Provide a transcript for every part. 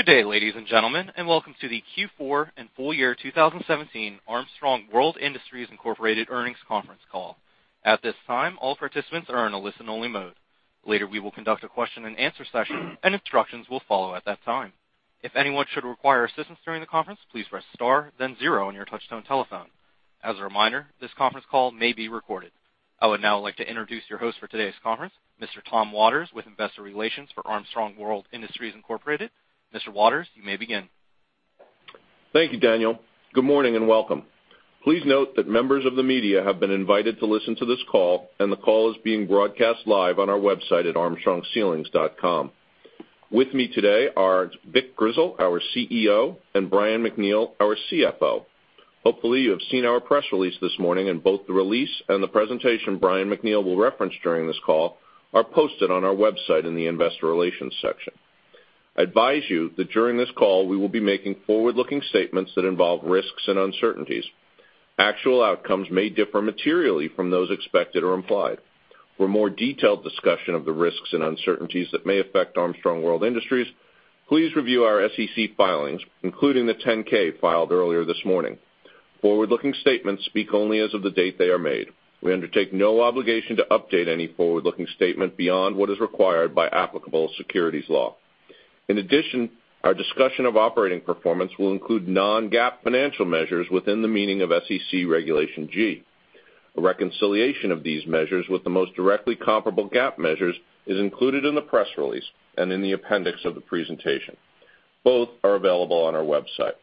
Good day, ladies and gentlemen, welcome to the Q4 and full year 2017 Armstrong World Industries Incorporated earnings conference call. At this time, all participants are in a listen-only mode. Later, we will conduct a question and answer session, and instructions will follow at that time. If anyone should require assistance during the conference, please press star then zero on your touch-tone telephone. As a reminder, this conference call may be recorded. I would now like to introduce your host for today's conference, Mr. Tom Waters with investor relations for Armstrong World Industries Incorporated. Mr. Waters, you may begin. Thank you, Daniel. Good morning and welcome. Please note that members of the media have been invited to listen to this call, and the call is being broadcast live on our website at armstrongceilings.com. With me today are Vic Grizzle, our CEO, and Brian MacNeal, our CFO. Hopefully, you have seen our press release this morning, both the release and the presentation Brian MacNeal will reference during this call are posted on our website in the investor relations section. Advise you that during this call we will be making forward-looking statements that involve risks and uncertainties. Actual outcomes may differ materially from those expected or implied. For more detailed discussion of the risks and uncertainties that may affect Armstrong World Industries, please review our SEC filings, including the 10-K filed earlier this morning. Forward-looking statements speak only as of the date they are made. We undertake no obligation to update any forward-looking statement beyond what is required by applicable securities law. Our discussion of operating performance will include non-GAAP financial measures within the meaning of SEC Regulation G. A reconciliation of these measures with the most directly comparable GAAP measures is included in the press release and in the appendix of the presentation. Both are available on our website.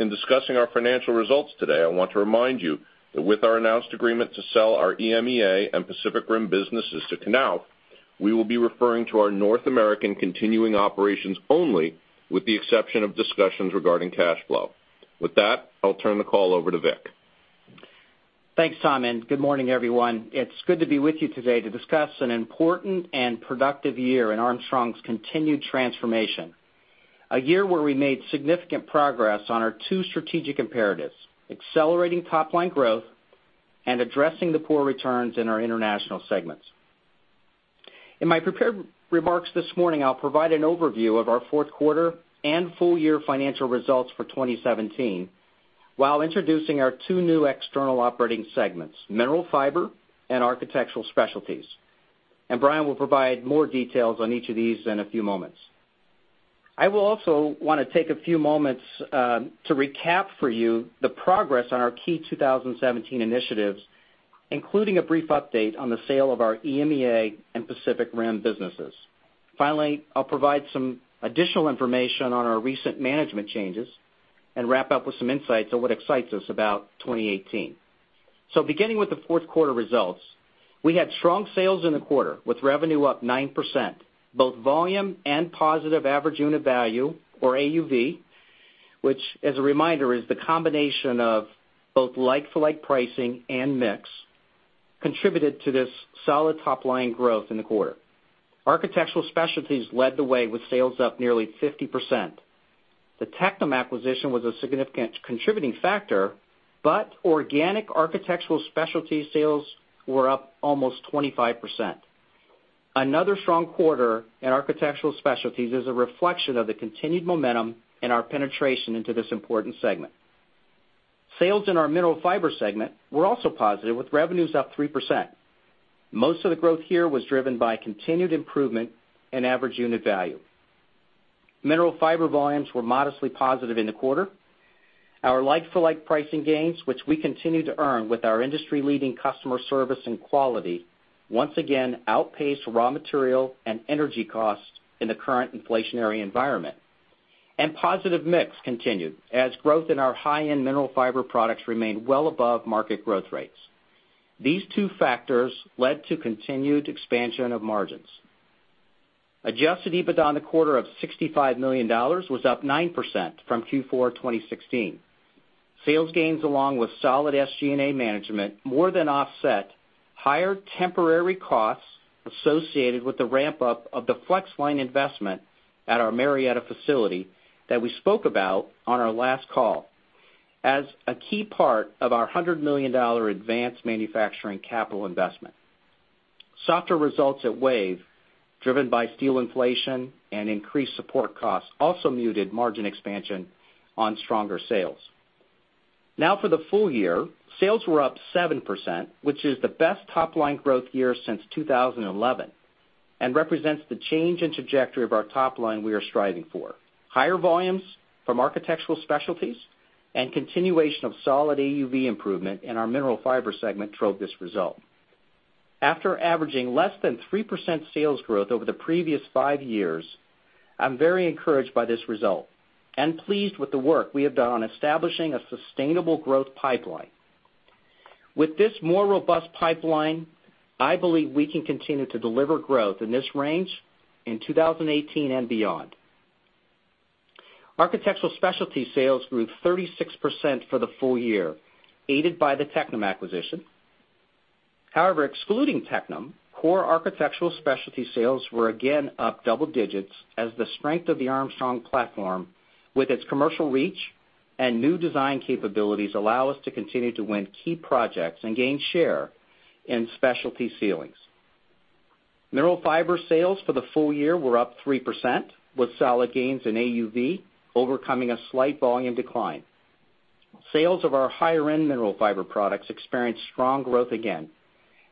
In discussing our financial results today, I want to remind you that with our announced agreement to sell our EMEA and Pacific Rim businesses to Knauf, we will be referring to our North American continuing operations only, with the exception of discussions regarding cash flow. I'll turn the call over to Vic. Thanks, Tom, good morning, everyone. It's good to be with you today to discuss an important and productive year in Armstrong's continued transformation. A year where we made significant progress on our two strategic imperatives, accelerating top-line growth and addressing the poor returns in our international segments. In my prepared remarks this morning, I'll provide an overview of our fourth quarter and full year financial results for 2017, while introducing our two new external operating segments, Mineral Fiber and Architectural Specialties. Brian will provide more details on each of these in a few moments. I will also want to take a few moments to recap for you the progress on our key 2017 initiatives, including a brief update on the sale of our EMEA and Pacific Rim businesses. Finally, I'll provide some additional information on our recent management changes and wrap up with some insights on what excites us about 2018. Beginning with the fourth quarter results, we had strong sales in the quarter, with revenue up 9%, both volume and positive average unit value, or AUV, which, as a reminder, is the combination of both like-for-like pricing and mix, contributed to this solid top-line growth in the quarter. Architectural Specialties led the way with sales up nearly 50%. The Tectum acquisition was a significant contributing factor, but organic Architectural Specialties sales were up almost 25%. Another strong quarter in Architectural Specialties is a reflection of the continued momentum in our penetration into this important segment. Sales in our Mineral Fiber segment were also positive, with revenues up 3%. Most of the growth here was driven by continued improvement in average unit value. Mineral Fiber volumes were modestly positive in the quarter. Our like-for-like pricing gains, which we continue to earn with our industry-leading customer service and quality, once again outpaced raw material and energy costs in the current inflationary environment. Positive mix continued, as growth in our high-end Mineral Fiber products remained well above market growth rates. These two factors led to continued expansion of margins. Adjusted EBITDA in the quarter of $65 million was up 9% from Q4 2016. Sales gains, along with solid SG&A management, more than offset higher temporary costs associated with the ramp-up of the Flexline investment at our Marietta facility that we spoke about on our last call as a key part of our $100 million advanced manufacturing capital investment. Softer results at WAVE, driven by steel inflation and increased support costs, also muted margin expansion on stronger sales. For the full year, sales were up 7%, which is the best top-line growth year since 2011, represents the change in trajectory of our top line we are striving for. Higher volumes from Architectural Specialties and continuation of solid AUV improvement in our Mineral Fiber segment drove this result. After averaging less than 3% sales growth over the previous five years, I'm very encouraged by this result and pleased with the work we have done on establishing a sustainable growth pipeline. With this more robust pipeline, I believe we can continue to deliver growth in this range in 2018 and beyond. Architectural Specialties sales grew 36% for the full year, aided by the Tectum acquisition. However, excluding Tectum, core Architectural Specialties sales were again up double digits as the strength of the Armstrong platform with its commercial reach new design capabilities allow us to continue to win key projects and gain share in specialty ceilings. Mineral Fiber sales for the full year were up 3%, with solid gains in AUV overcoming a slight volume decline. Sales of our higher-end Mineral Fiber products experienced strong growth again,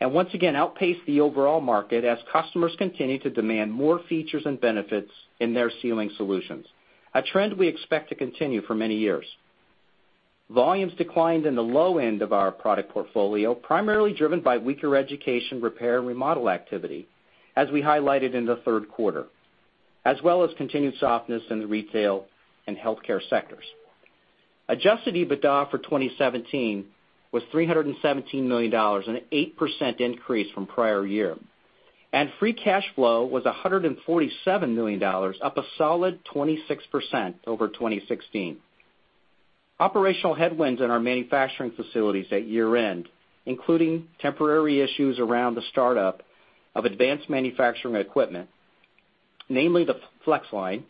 once again outpaced the overall market as customers continue to demand more features and benefits in their ceiling solutions, a trend we expect to continue for many years. Volumes declined in the low end of our product portfolio, primarily driven by weaker education repair and remodel activity, as we highlighted in the third quarter, as well as continued softness in the retail and healthcare sectors. Adjusted EBITDA for 2017 was $317 million, an 8% increase from prior year. Free cash flow was $147 million, up a solid 26% over 2016. Operational headwinds in our manufacturing facilities at year-end, including temporary issues around the start-up of advanced manufacturing equipment, namely the Flexline,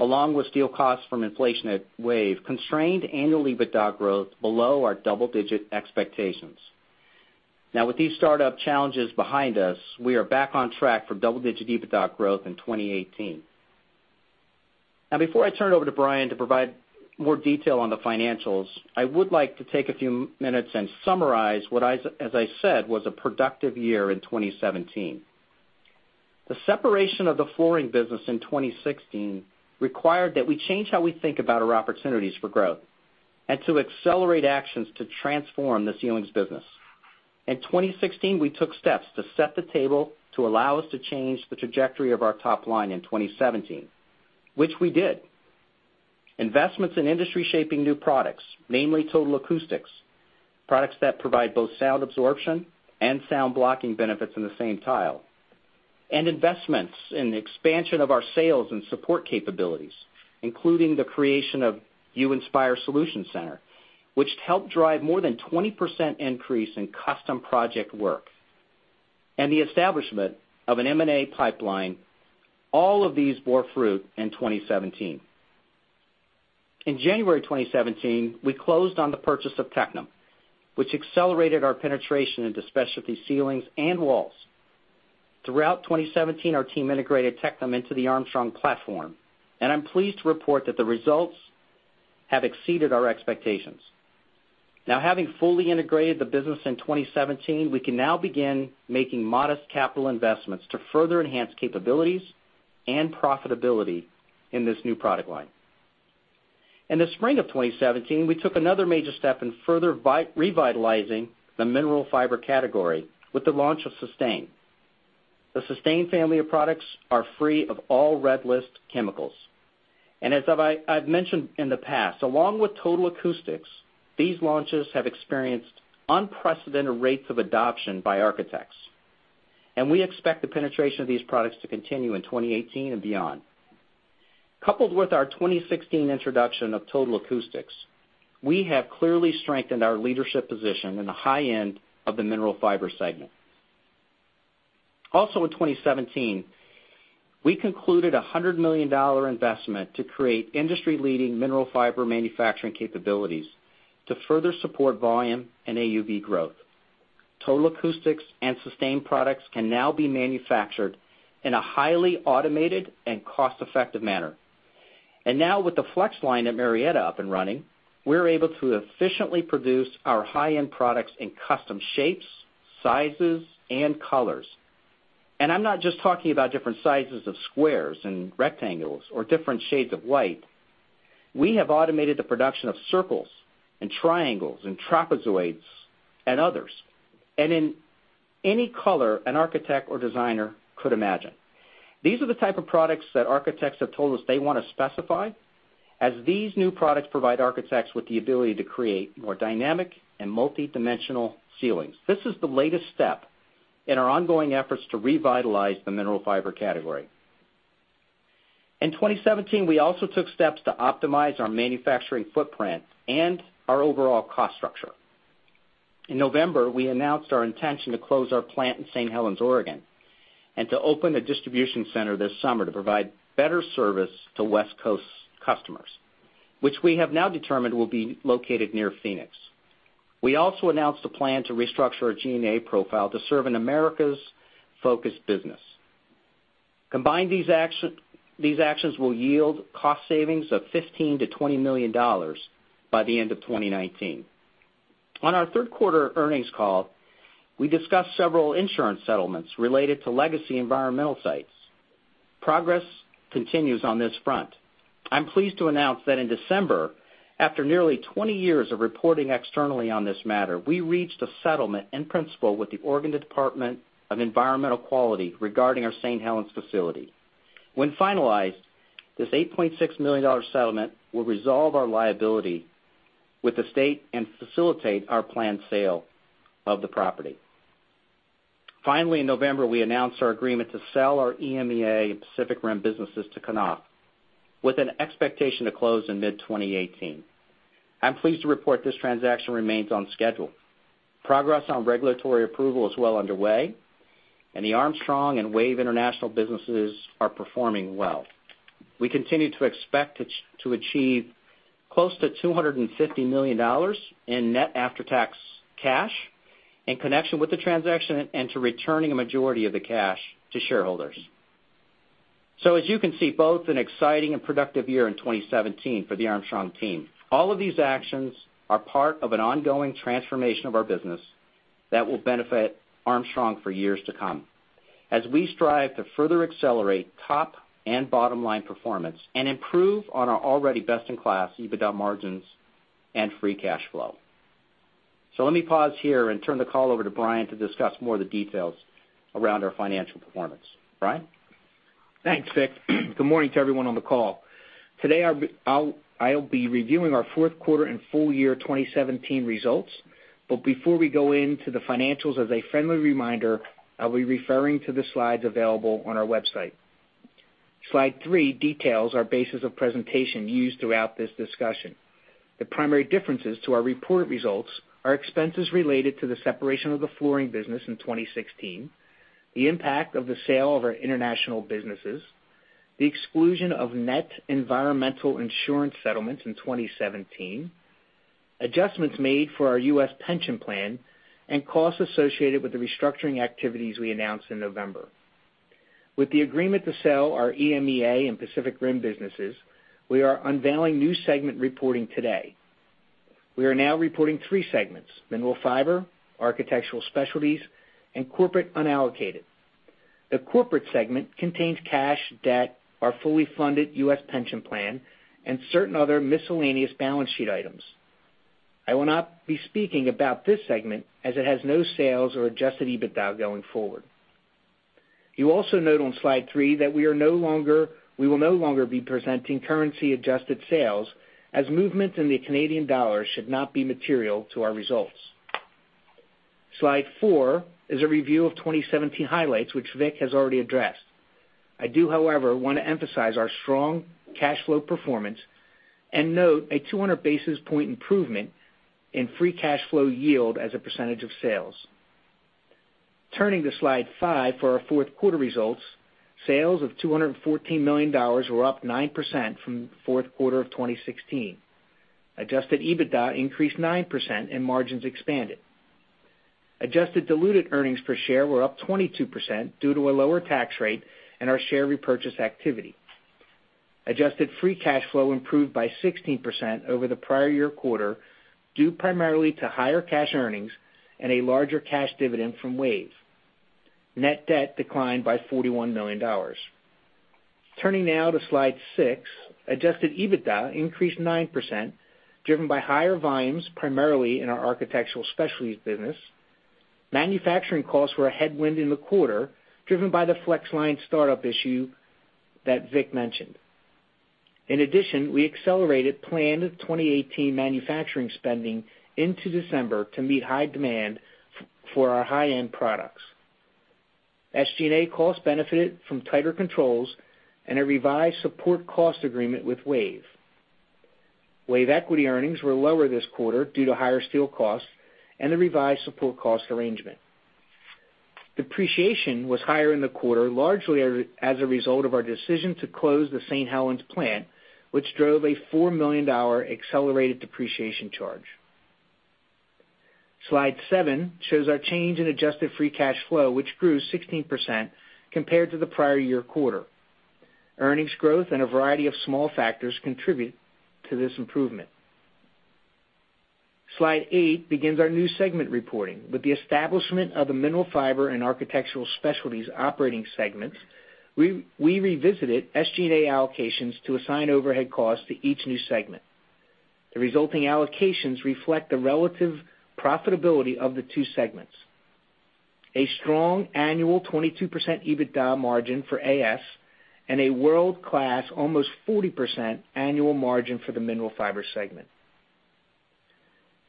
along with steel costs from inflation at WAVE, constrained annual EBITDA growth below our double-digit expectations. With these start-up challenges behind us, we are back on track for double-digit EBITDA growth in 2018. Before I turn it over to Brian to provide more detail on the financials, I would like to take a few minutes and summarize what, as I said, was a productive year in 2017. The separation of the flooring business in 2016 required that we change how we think about our opportunities for growth and to accelerate actions to transform the ceilings business. In 2016, we took steps to set the table to allow us to change the trajectory of our top line in 2017, which we did. Investments in industry-shaping new products, namely Total Acoustics, products that provide both sound absorption and sound-blocking benefits in the same tile. Investments in the expansion of our sales and support capabilities, including the creation of You Inspire Solutions Center, which helped drive more than 20% increase in custom project work, and the establishment of an M&A pipeline. All of these bore fruit in 2017. In January 2017, we closed on the purchase of Tectum, which accelerated our penetration into specialty ceilings and walls. Throughout 2017, our team integrated Tectum into the Armstrong platform, and I'm pleased to report that the results have exceeded our expectations. Having fully integrated the business in 2017, we can now begin making modest capital investments to further enhance capabilities and profitability in this new product line. In the spring of 2017, we took another major step in further revitalizing the Mineral Fiber category with the launch of SUSTAIN. The SUSTAIN family of products are free of all Red List chemicals. As I've mentioned in the past, along with Total Acoustics, these launches have experienced unprecedented rates of adoption by architects. We expect the penetration of these products to continue in 2018 and beyond. Coupled with our 2016 introduction of Total Acoustics, we have clearly strengthened our leadership position in the high end of the Mineral Fiber segment. Also in 2017, we concluded $100 million investment to create industry-leading Mineral Fiber manufacturing capabilities to further support volume and AUV growth. Total Acoustics and SUSTAIN products can now be manufactured in a highly automated and cost-effective manner. With the Flexline at Marietta up and running, we're able to efficiently produce our high-end products in custom shapes, sizes, and colors. I'm not just talking about different sizes of squares and rectangles or different shades of white. We have automated the production of circles and triangles and trapezoids and others, and in any color an architect or designer could imagine. These are the type of products that architects have told us they want to specify, as these new products provide architects with the ability to create more dynamic and multi-dimensional ceilings. This is the latest step in our ongoing efforts to revitalize the Mineral Fiber category. In 2017, we also took steps to optimize our manufacturing footprint and our overall cost structure. In November, we announced our intention to close our plant in St. Helens, Oregon, and to open a distribution center this summer to provide better service to West Coast customers, which we have now determined will be located near Phoenix. We also announced a plan to restructure our G&A profile to serve an Americas-focused business. Combined, these actions will yield cost savings of $15 million-$20 million by the end of 2019. On our third quarter earnings call, we discussed several insurance settlements related to legacy environmental sites. Progress continues on this front. I'm pleased to announce that in December, after nearly 20 years of reporting externally on this matter, we reached a settlement in principle with the Oregon Department of Environmental Quality regarding our St. Helens facility. When finalized, this $8.6 million settlement will resolve our liability with the state and facilitate our planned sale of the property. In November, we announced our agreement to sell our EMEA and Pacific Rim businesses to Knauf, with an expectation to close in mid-2018. I'm pleased to report this transaction remains on schedule. Progress on regulatory approval is well underway. The Armstrong and WAVE International businesses are performing well. We continue to expect to achieve close to $250 million in net after-tax cash in connection with the transaction, and to returning a majority of the cash to shareholders. As you can see, both an exciting and productive year in 2017 for the Armstrong team. All of these actions are part of an ongoing transformation of our business that will benefit Armstrong for years to come, as we strive to further accelerate top and bottom line performance and improve on our already best-in-class EBITDA margins and free cash flow. Let me pause here and turn the call over to Brian to discuss more of the details around our financial performance. Brian? Thanks, Vic. Good morning to everyone on the call. Today, I'll be reviewing our fourth quarter and full year 2017 results. Before we go into the financials, as a friendly reminder, I'll be referring to the slides available on our website. Slide three details our basis of presentation used throughout this discussion. The primary differences to our reported results are expenses related to the separation of the flooring business in 2016, the impact of the sale of our international businesses, the exclusion of net environmental insurance settlements in 2017, adjustments made for our U.S. pension plan, and costs associated with the restructuring activities we announced in November. With the agreement to sell our EMEA and Pacific Rim businesses, we are unveiling new segment reporting today. We are now reporting three segments: Mineral Fiber, Architectural Specialties, and Unallocated Corporate. The corporate segment contains cash, debt, our fully funded U.S. pension plan, and certain other miscellaneous balance sheet items. I will not be speaking about this segment, as it has no sales or Adjusted EBITDA going forward. You also note on slide three that we will no longer be presenting currency-adjusted sales, as movements in the Canadian dollar should not be material to our results. Slide four is a review of 2017 highlights, which Vic has already addressed. I do, however, want to emphasize our strong cash flow performance and note a 200-basis-point improvement in free cash flow yield as a percentage of sales. Turning to slide five for our fourth-quarter results. Sales of $214 million were up 9% from the fourth quarter of 2016. Adjusted EBITDA increased 9% and margins expanded. Adjusted diluted earnings per share were up 22% due to a lower tax rate and our share repurchase activity. Adjusted free cash flow improved by 16% over the prior year quarter, due primarily to higher cash earnings and a larger cash dividend from WAVE. Net debt declined by $41 million. Turning now to slide six. Adjusted EBITDA increased 9%, driven by higher volumes primarily in our Architectural Specialties business. Manufacturing costs were a headwind in the quarter, driven by the Flexline startup issue that Vic mentioned. In addition, we accelerated planned 2018 manufacturing spending into December to meet high demand for our high-end products. SG&A costs benefited from tighter controls and a revised support cost agreement with WAVE. WAVE equity earnings were lower this quarter due to higher steel costs and the revised support cost arrangement. Depreciation was higher in the quarter, largely as a result of our decision to close the St. Helens plant, which drove a $4 million accelerated depreciation charge. Slide seven shows our change in Adjusted free cash flow, which grew 16% compared to the prior year quarter. Earnings growth and a variety of small factors contribute to this improvement. Slide eight begins our new segment reporting. With the establishment of the Mineral Fiber and Architectural Specialties operating segments, we revisited SG&A allocations to assign overhead costs to each new segment. The resulting allocations reflect the relative profitability of the two segments. A strong annual 22% EBITDA margin for AS and a world-class almost 40% annual margin for the Mineral Fiber segment.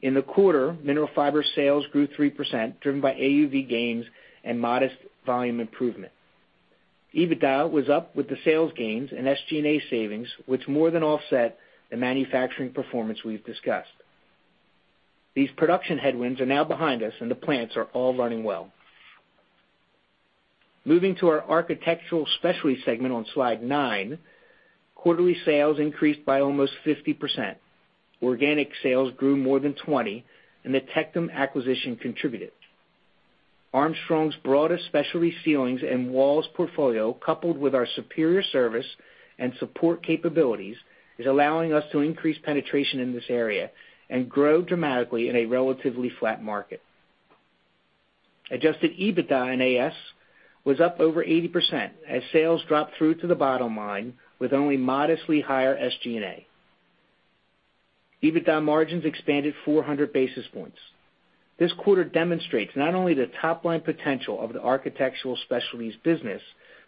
In the quarter, Mineral Fiber sales grew 3%, driven by AUV gains and modest volume improvement. EBITDA was up with the sales gains and SG&A savings, which more than offset the manufacturing performance we've discussed. These production headwinds are now behind us, and the plants are all running well. Moving to our Architectural Specialties segment on slide nine. Quarterly sales increased by almost 50%. Organic sales grew more than 20%, and the Tectum acquisition contributed. Armstrong's broader specialty ceilings and walls portfolio, coupled with our superior service and support capabilities, is allowing us to increase penetration in this area and grow dramatically in a relatively flat market. Adjusted EBITDA and AS was up over 80% as sales dropped through to the bottom line with only modestly higher SG&A. EBITDA margins expanded 400 basis points. This quarter demonstrates not only the top-line potential of the Architectural Specialties business,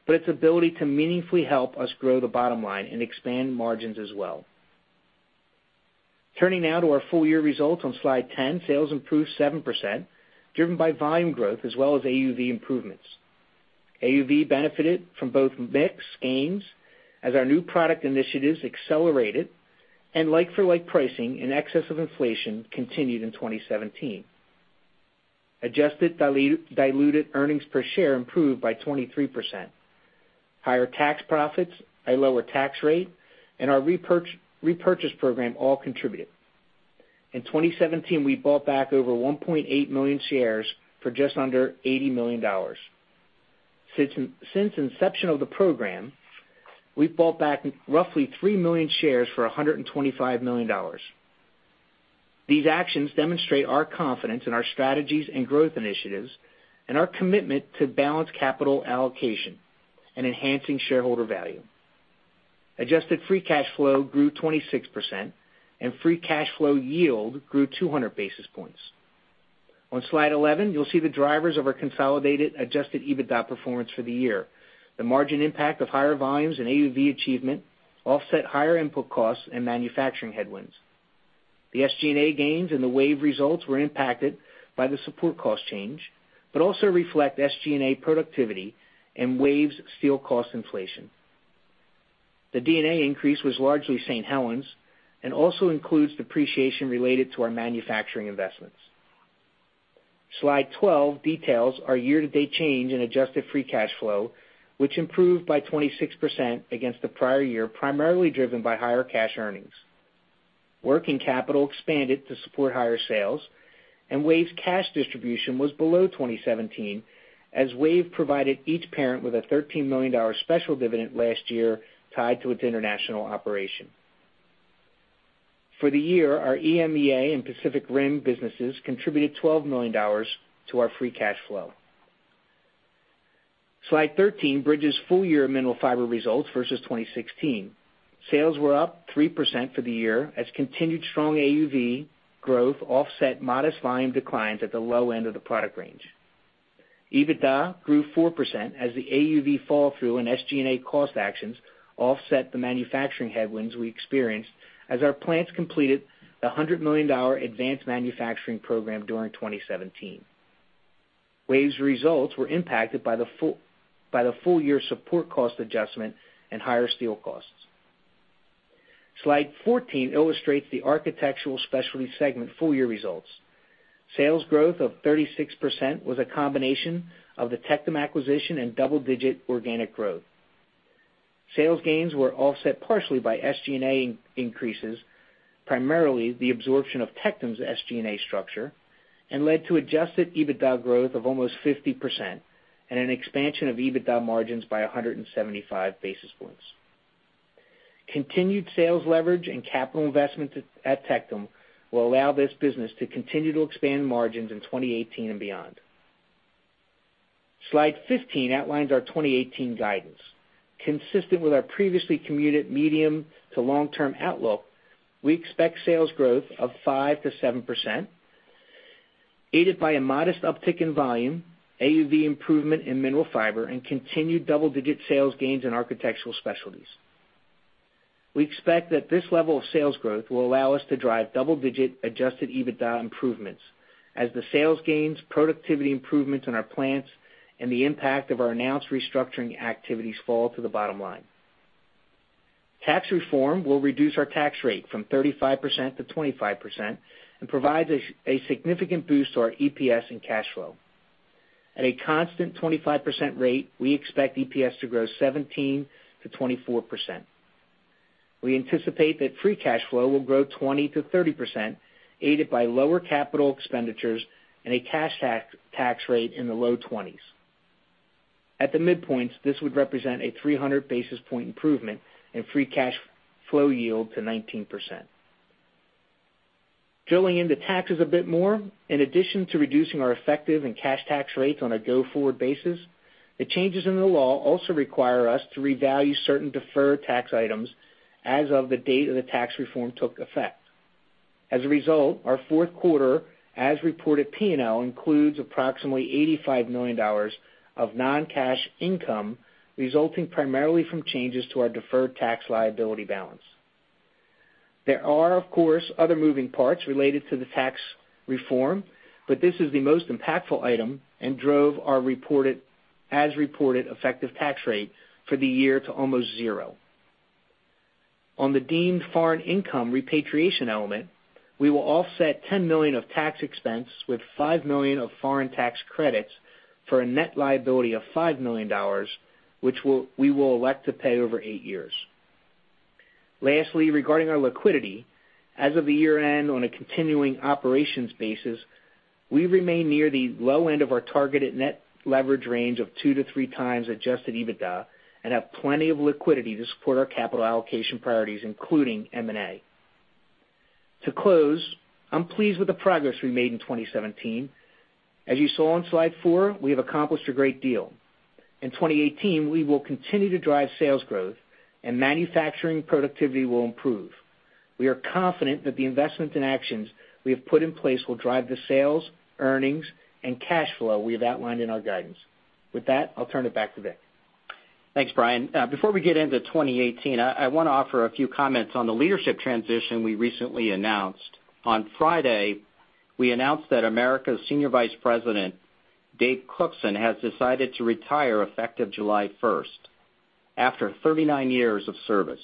but its ability to meaningfully help us grow the bottom line and expand margins as well. Turning now to our full-year results on slide 10. Sales improved 7%, driven by volume growth as well as AUV improvements. AUV benefited from both mix gains, as our new product initiatives accelerated. Like-for-like pricing in excess of inflation continued in 2017. Adjusted diluted earnings per share improved by 23%. Higher tax profits, a lower tax rate, and our repurchase program all contributed. In 2017, we bought back over 1.8 million shares for just under $80 million. Since inception of the program, we've bought back roughly 3 million shares for $125 million. These actions demonstrate our confidence in our strategies and growth initiatives, and our commitment to balanced capital allocation and enhancing shareholder value. Adjusted free cash flow grew 26%, and free cash flow yield grew 200 basis points. On slide 11, you'll see the drivers of our consolidated adjusted EBITDA performance for the year. The margin impact of higher volumes and AUV achievement offset higher input costs and manufacturing headwinds. The SG&A gains and the WAVE results were impacted by the support cost change, but also reflect SG&A productivity and WAVE's steel cost inflation. The D&A increase was largely St. Helens, and also includes depreciation related to our manufacturing investments. Slide 12 details our year-to-date change in adjusted free cash flow, which improved by 26% against the prior year, primarily driven by higher cash earnings. Working capital expanded to support higher sales, and WAVE's cash distribution was below 2017, as WAVE provided each parent with a $13 million special dividend last year tied to its international operation. For the year, our EMEA and Pacific Rim businesses contributed $12 million to our free cash flow. Slide 13 bridges full-year Mineral Fiber results versus 2016. Sales were up 3% for the year, as continued strong AUV growth offset modest volume declines at the low end of the product range. EBITDA grew 4% as the AUV fall through in SG&A cost actions offset the manufacturing headwinds we experienced as our plants completed the $100 million advanced manufacturing program during 2017. WAVE's results were impacted by the full-year support cost adjustment and higher steel costs. Slide 14 illustrates the Architectural Specialties segment full-year results. Sales growth of 36% was a combination of the Tectum acquisition and double-digit organic growth. Sales gains were offset partially by SG&A increases, primarily the absorption of Tectum's SG&A structure, and led to adjusted EBITDA growth of almost 50% and an expansion of EBITDA margins by 175 basis points. Continued sales leverage and capital investment at Tectum will allow this business to continue to expand margins in 2018 and beyond. Slide 15 outlines our 2018 guidance. Consistent with our previously communicated medium to long-term outlook, we expect sales growth of 5%-7%, aided by a modest uptick in volume, AUV improvement in Mineral Fiber, and continued double-digit sales gains in Architectural Specialties. We expect that this level of sales growth will allow us to drive double-digit adjusted EBITDA improvements as the sales gains, productivity improvements in our plants, and the impact of our announced restructuring activities fall to the bottom line. Tax reform will reduce our tax rate from 35%-25% and provide a significant boost to our EPS and cash flow. At a constant 25% rate, we expect EPS to grow 17%-24%. We anticipate that free cash flow will grow 20%-30%, aided by lower capital expenditures and a cash tax rate in the low 20s. At the midpoints, this would represent a 300-basis-point improvement in free cash flow yield to 19%. Drilling into taxes a bit more, in addition to reducing our effective and cash tax rates on a go-forward basis, the changes in the law also require us to revalue certain deferred tax items as of the date the tax reform took effect. As a result, our fourth quarter, as-reported P&L includes approximately $85 million of non-cash income, resulting primarily from changes to our deferred tax liability balance. There are, of course, other moving parts related to the tax reform, but this is the most impactful item and drove our as-reported effective tax rate for the year to almost zero. On the deemed foreign income repatriation element, we will offset $10 million of tax expense with $5 million of foreign tax credits for a net liability of $5 million, which we will elect to pay over eight years. Lastly, regarding our liquidity, as of the year-end on a continuing operations basis, we remain near the low end of our targeted net leverage range of two to three times adjusted EBITDA and have plenty of liquidity to support our capital allocation priorities, including M&A. To close, I'm pleased with the progress we made in 2017. As you saw on slide four, we have accomplished a great deal. In 2018, we will continue to drive sales growth, manufacturing productivity will improve. We are confident that the investments and actions we have put in place will drive the sales, earnings, and cash flow we have outlined in our guidance. With that, I'll turn it back to Vic. Thanks, Brian. Before we get into 2018, I want to offer a few comments on the leadership transition we recently announced. On Friday, we announced that Americas Senior Vice President Dave Cookson has decided to retire effective July 1st, after 39 years of service.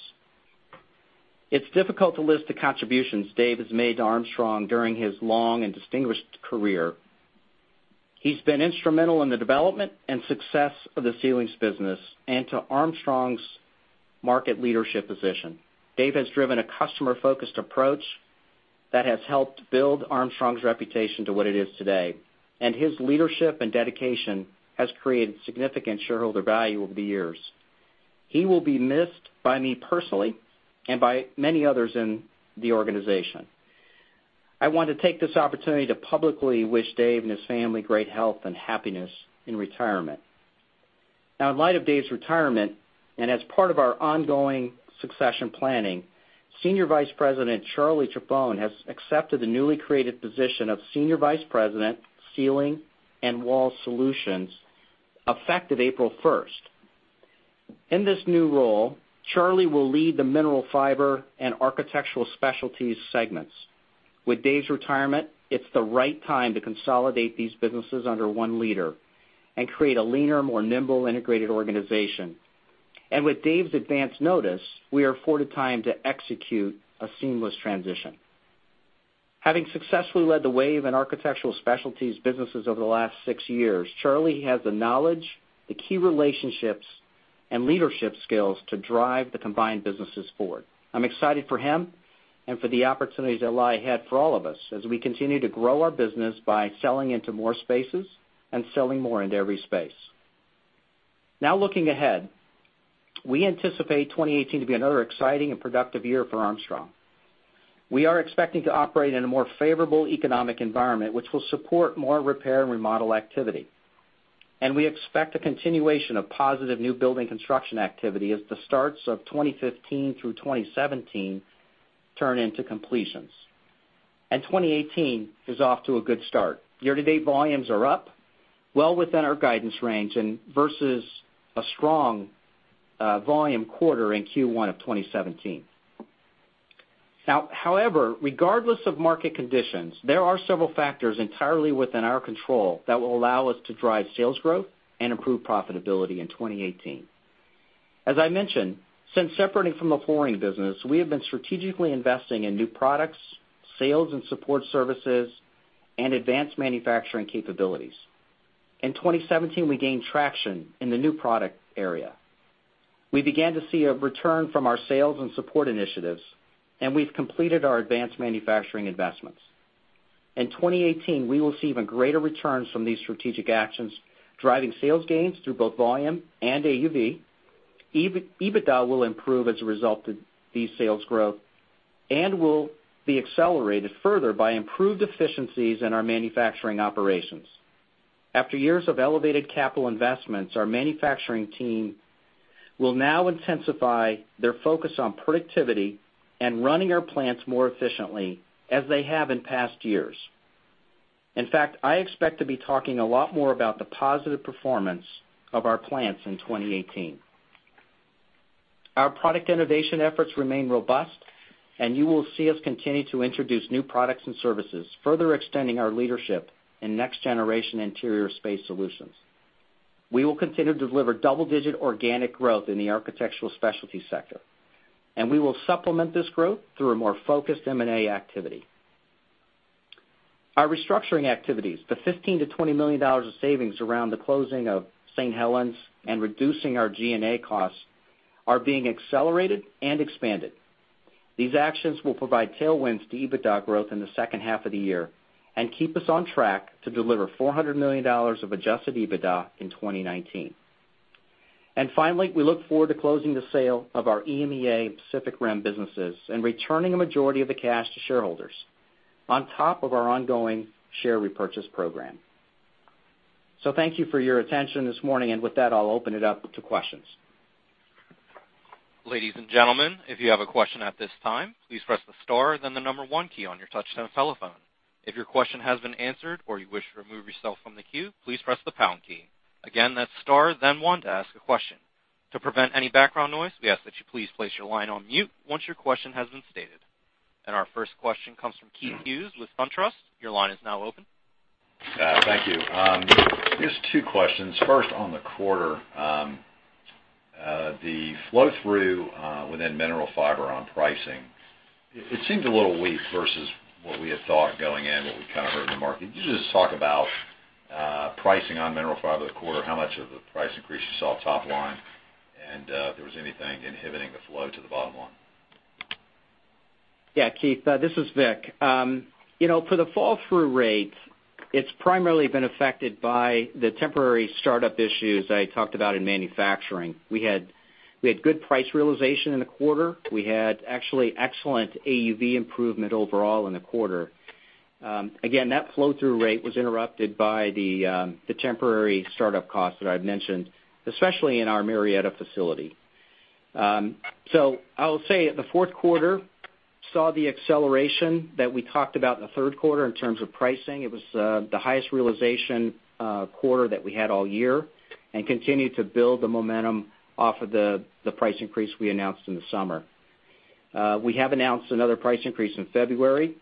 It's difficult to list the contributions Dave has made to Armstrong during his long and distinguished career. He's been instrumental in the development and success of the ceilings business and to Armstrong's market leadership position. Dave has driven a customer-focused approach that has helped build Armstrong's reputation to what it is today, his leadership and dedication has created significant shareholder value over the years. He will be missed by me personally and by many others in the organization. I want to take this opportunity to publicly wish Dave and his family great health and happiness in retirement. In light of Dave's retirement, as part of our ongoing succession planning, Senior Vice President Charlie Chiappone has accepted the newly created position of Senior Vice President, Ceilings and Wall Solutions effective April 1st. In this new role, Charlie will lead the Mineral Fiber and Architectural Specialties segments. With Dave's retirement, it's the right time to consolidate these businesses under one leader and create a leaner, more nimble, integrated organization. With Dave's advance notice, we are afforded time to execute a seamless transition. Having successfully led the WAVE and Architectural Specialties businesses over the last six years, Charlie has the knowledge, the key relationships, and leadership skills to drive the combined businesses forward. I'm excited for him and for the opportunities that lie ahead for all of us as we continue to grow our business by selling into more spaces and selling more into every space. Looking ahead, we anticipate 2018 to be another exciting and productive year for Armstrong. We are expecting to operate in a more favorable economic environment, which will support more repair and remodel activity. We expect a continuation of positive new building construction activity as the starts of 2015 through 2017 turn into completions. 2018 is off to a good start. Year-to-date volumes are up, well within our guidance range and versus a strong volume quarter in Q1 of 2017. However, regardless of market conditions, there are several factors entirely within our control that will allow us to drive sales growth and improve profitability in 2018. As I mentioned, since separating from the flooring business, we have been strategically investing in new products, sales and support services, and advanced manufacturing capabilities. In 2017, we gained traction in the new product area. We began to see a return from our sales and support initiatives, and we've completed our advanced manufacturing investments. In 2018, we will see even greater returns from these strategic actions, driving sales gains through both volume and AUV. EBITDA will improve as a result of these sales growth and will be accelerated further by improved efficiencies in our manufacturing operations. After years of elevated capital investments, our manufacturing team will now intensify their focus on productivity and running our plants more efficiently, as they have in past years. In fact, I expect to be talking a lot more about the positive performance of our plants in 2018. Our product innovation efforts remain robust, and you will see us continue to introduce new products and services, further extending our leadership in next-generation interior space solutions. We will continue to deliver double-digit organic growth in the Architectural Specialties sector, and we will supplement this growth through a more focused M&A activity. Our restructuring activities, the $15 million-$20 million of savings around the closing of St. Helens and reducing our G&A costs, are being accelerated and expanded. These actions will provide tailwinds to EBITDA growth in the second half of the year and keep us on track to deliver $400 million of adjusted EBITDA in 2019. Finally, we look forward to closing the sale of our EMEA and Pacific Rim businesses and returning a majority of the cash to shareholders on top of our ongoing share repurchase program. With that, I'll open it up to questions. Ladies and gentlemen, if you have a question at this time, please press the star then the number 1 key on your touchtone telephone. If your question has been answered or you wish to remove yourself from the queue, please press the pound key. Again, that's star then 1 to ask a question. To prevent any background noise, we ask that you please place your line on mute once your question has been stated. Our first question comes from Keith Hughes with SunTrust. Your line is now open. Thank you. Just two questions. First, on the quarter. The flow-through within Mineral Fiber on pricing, it seemed a little weak versus what we had thought going in, what we kind of heard in the market. Can you just talk about pricing on Mineral Fiber this quarter, how much of the price increase you saw top line, and if there was anything inhibiting the flow to the bottom line? Keith, this is Vic. For the flow-through rate, it's primarily been affected by the temporary startup issues I talked about in manufacturing. We had good price realization in the quarter. We had actually excellent AUV improvement overall in the quarter. Again, that flow-through rate was interrupted by the temporary startup costs that I've mentioned, especially in our Marietta facility. I'll say the fourth quarter saw the acceleration that we talked about in the third quarter in terms of pricing. It was the highest realization quarter that we had all year and continued to build the momentum off of the price increase we announced in the summer. We have announced another price increase in February,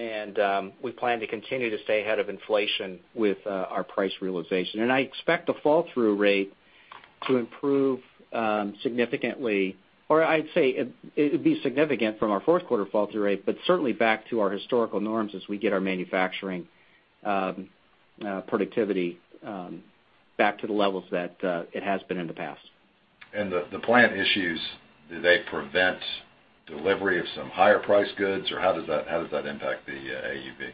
and we plan to continue to stay ahead of inflation with our price realization. I expect the flow-through rate to improve significantly, or I'd say it would be significant from our fourth quarter flow-through rate, but certainly back to our historical norms as we get our manufacturing productivity back to the levels that it has been in the past. The plant issues, do they prevent delivery of some higher priced goods, or how does that impact the AUV?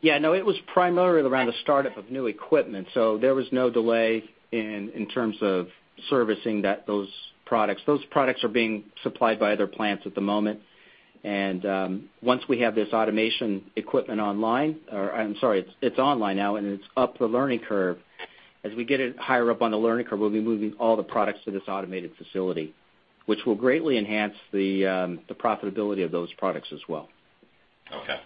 Yeah, no, it was primarily around the startup of new equipment, so there was no delay in terms of servicing those products. Those products are being supplied by other plants at the moment. Once we have this automation equipment online, or I'm sorry, it's online now and it's up the learning curve. As we get it higher up on the learning curve, we'll be moving all the products to this automated facility, which will greatly enhance the profitability of those products as well. Okay.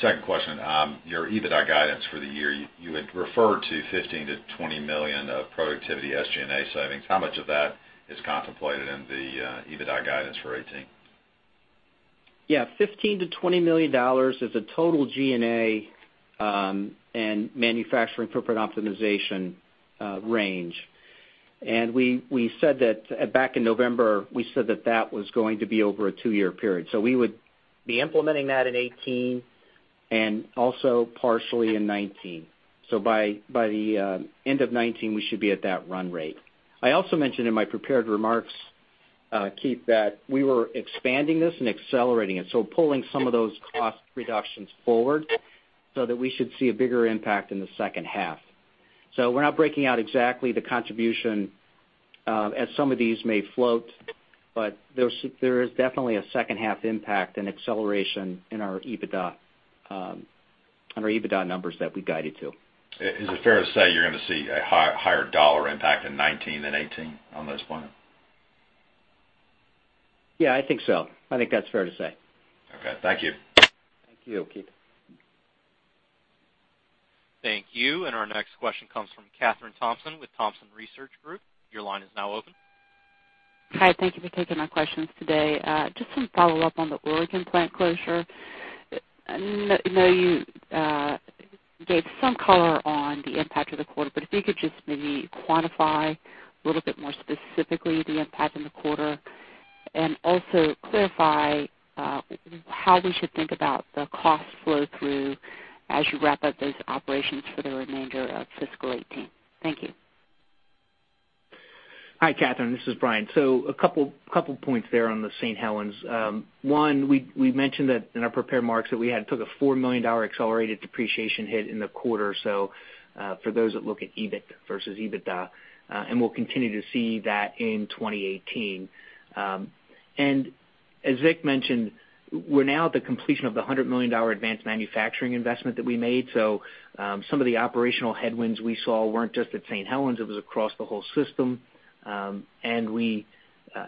Second question. Your EBITDA guidance for the year, you had referred to $15 million-$20 million of productivity SG&A savings. How much of that is contemplated in the EBITDA guidance for 2018? Yeah, $15 million-$20 million is the total G&A and manufacturing footprint optimization range. Back in November, we said that that was going to be over a two-year period. We would be implementing that in 2018 and also partially in 2019. By the end of 2019, we should be at that run rate. I also mentioned in my prepared remarks, Keith, that we were expanding this and accelerating it. Pulling some of those cost reductions forward so that we should see a bigger impact in the second half. We're not breaking out exactly the contribution, as some of these may float, but there is definitely a second half impact and acceleration in our EBITDA numbers that we guided to. Is it fair to say you're going to see a higher dollar impact in 2019 than 2018 on this point? Yeah, I think so. I think that's fair to say. Okay. Thank you. Thank you, Keith. Thank you. Our next question comes from Kathryn Thompson with Thompson Research Group. Your line is now open. Hi, thank you for taking my questions today. Just some follow-up on the Oregon plant closure. I know you gave some color on the impact of the quarter, if you could just maybe quantify a little bit more specifically the impact in the quarter. Also clarify how we should think about the cost flow through as you wrap up those operations for the remainder of fiscal 2018. Thank you. Hi, Kathryn. This is Brian. A couple points there on the St. Helens. We mentioned that in our prepared remarks that we had took a $4 million accelerated depreciation hit in the quarter. For those that look at EBIT versus EBITDA, we'll continue to see that in 2018. As Vic mentioned, we're now at the completion of the $100 million advanced manufacturing investment that we made. Some of the operational headwinds we saw weren't just at St. Helens, it was across the whole system. We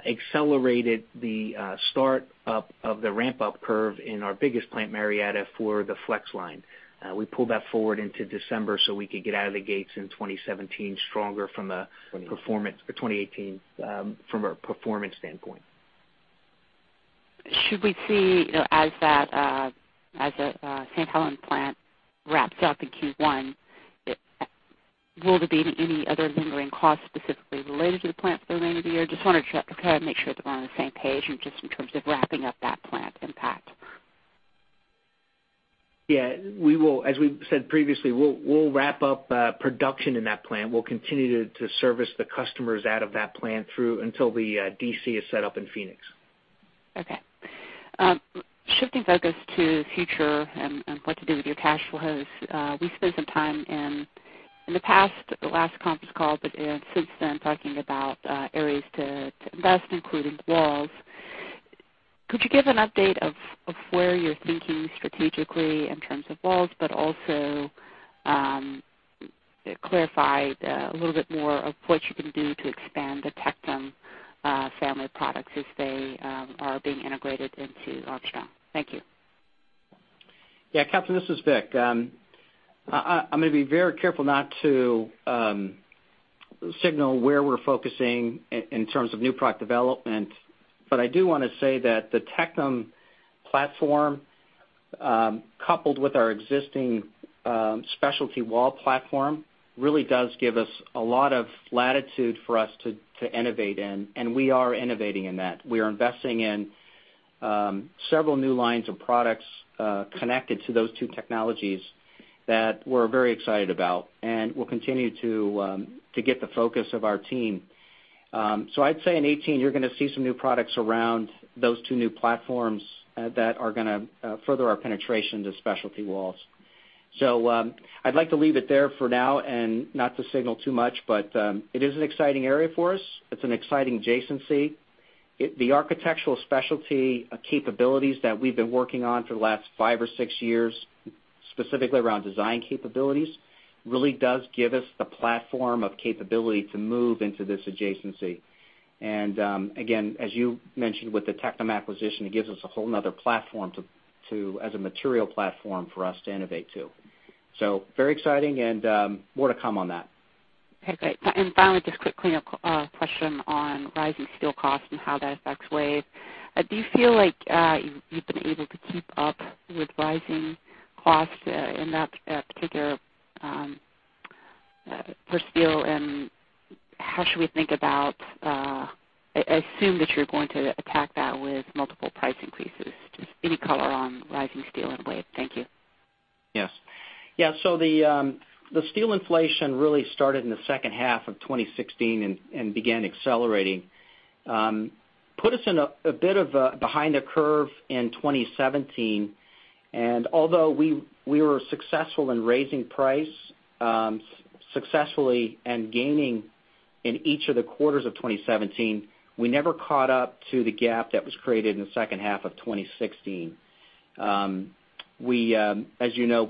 accelerated the start up of the ramp-up curve in our biggest plant, Marietta, for the Flexline. We pulled that forward into December so we could get out of the gates in 2017 stronger from a performance for 2018, from a performance standpoint. Should we see as the St. Helens plant wraps up in Q1, will there be any other lingering costs specifically related to the plant for the remainder of the year? Just wanted to check to kind of make sure that we're on the same page in just in terms of wrapping up that plant impact. As we said previously, we'll wrap up production in that plant. We'll continue to service the customers out of that plant through until the DC is set up in Phoenix. Shifting focus to the future and what to do with your cash flows. We spent some time in the past, the last conference call, but since then talking about areas to invest, including walls. Could you give an update of where you're thinking strategically in terms of walls, but also clarify a little bit more of what you can do to expand the Tectum family of products as they are being integrated into Armstrong. Thank you. Kathryn, this is Vic. I'm going to be very careful not to signal where we're focusing in terms of new product development. I do want to say that the Tectum platform, coupled with our existing specialty wall platform, really does give us a lot of latitude for us to innovate in, and we are innovating in that. We are investing in several new lines of products connected to those two technologies that we're very excited about, and will continue to get the focus of our team. I'd say in 2018, you're going to see some new products around those two new platforms that are going to further our penetration to specialty walls. I'd like to leave it there for now and not to signal too much, but it is an exciting area for us. It's an exciting adjacency. The architectural specialty capabilities that we've been working on for the last five or six years, specifically around design capabilities, really does give us the platform of capability to move into this adjacency. Again, as you mentioned with the Tectum acquisition, it gives us a whole other platform as a material platform for us to innovate, too. Very exciting and more to come on that. Okay, great. Finally, just quick cleanup question on rising steel costs and how that affects WAVE. Do you feel like you've been able to keep up with rising costs in that particular for steel, and how should we think about, I assume that you're going to attack that with multiple price increases. Just any color on rising steel and WAVE. Thank you. Yes. The steel inflation really started in the second half of 2016 and began accelerating. Put us in a bit of a behind the curve in 2017. Although we were successful in raising price successfully and gaining in each of the quarters of 2017, we never caught up to the gap that was created in the second half of 2016. As you know,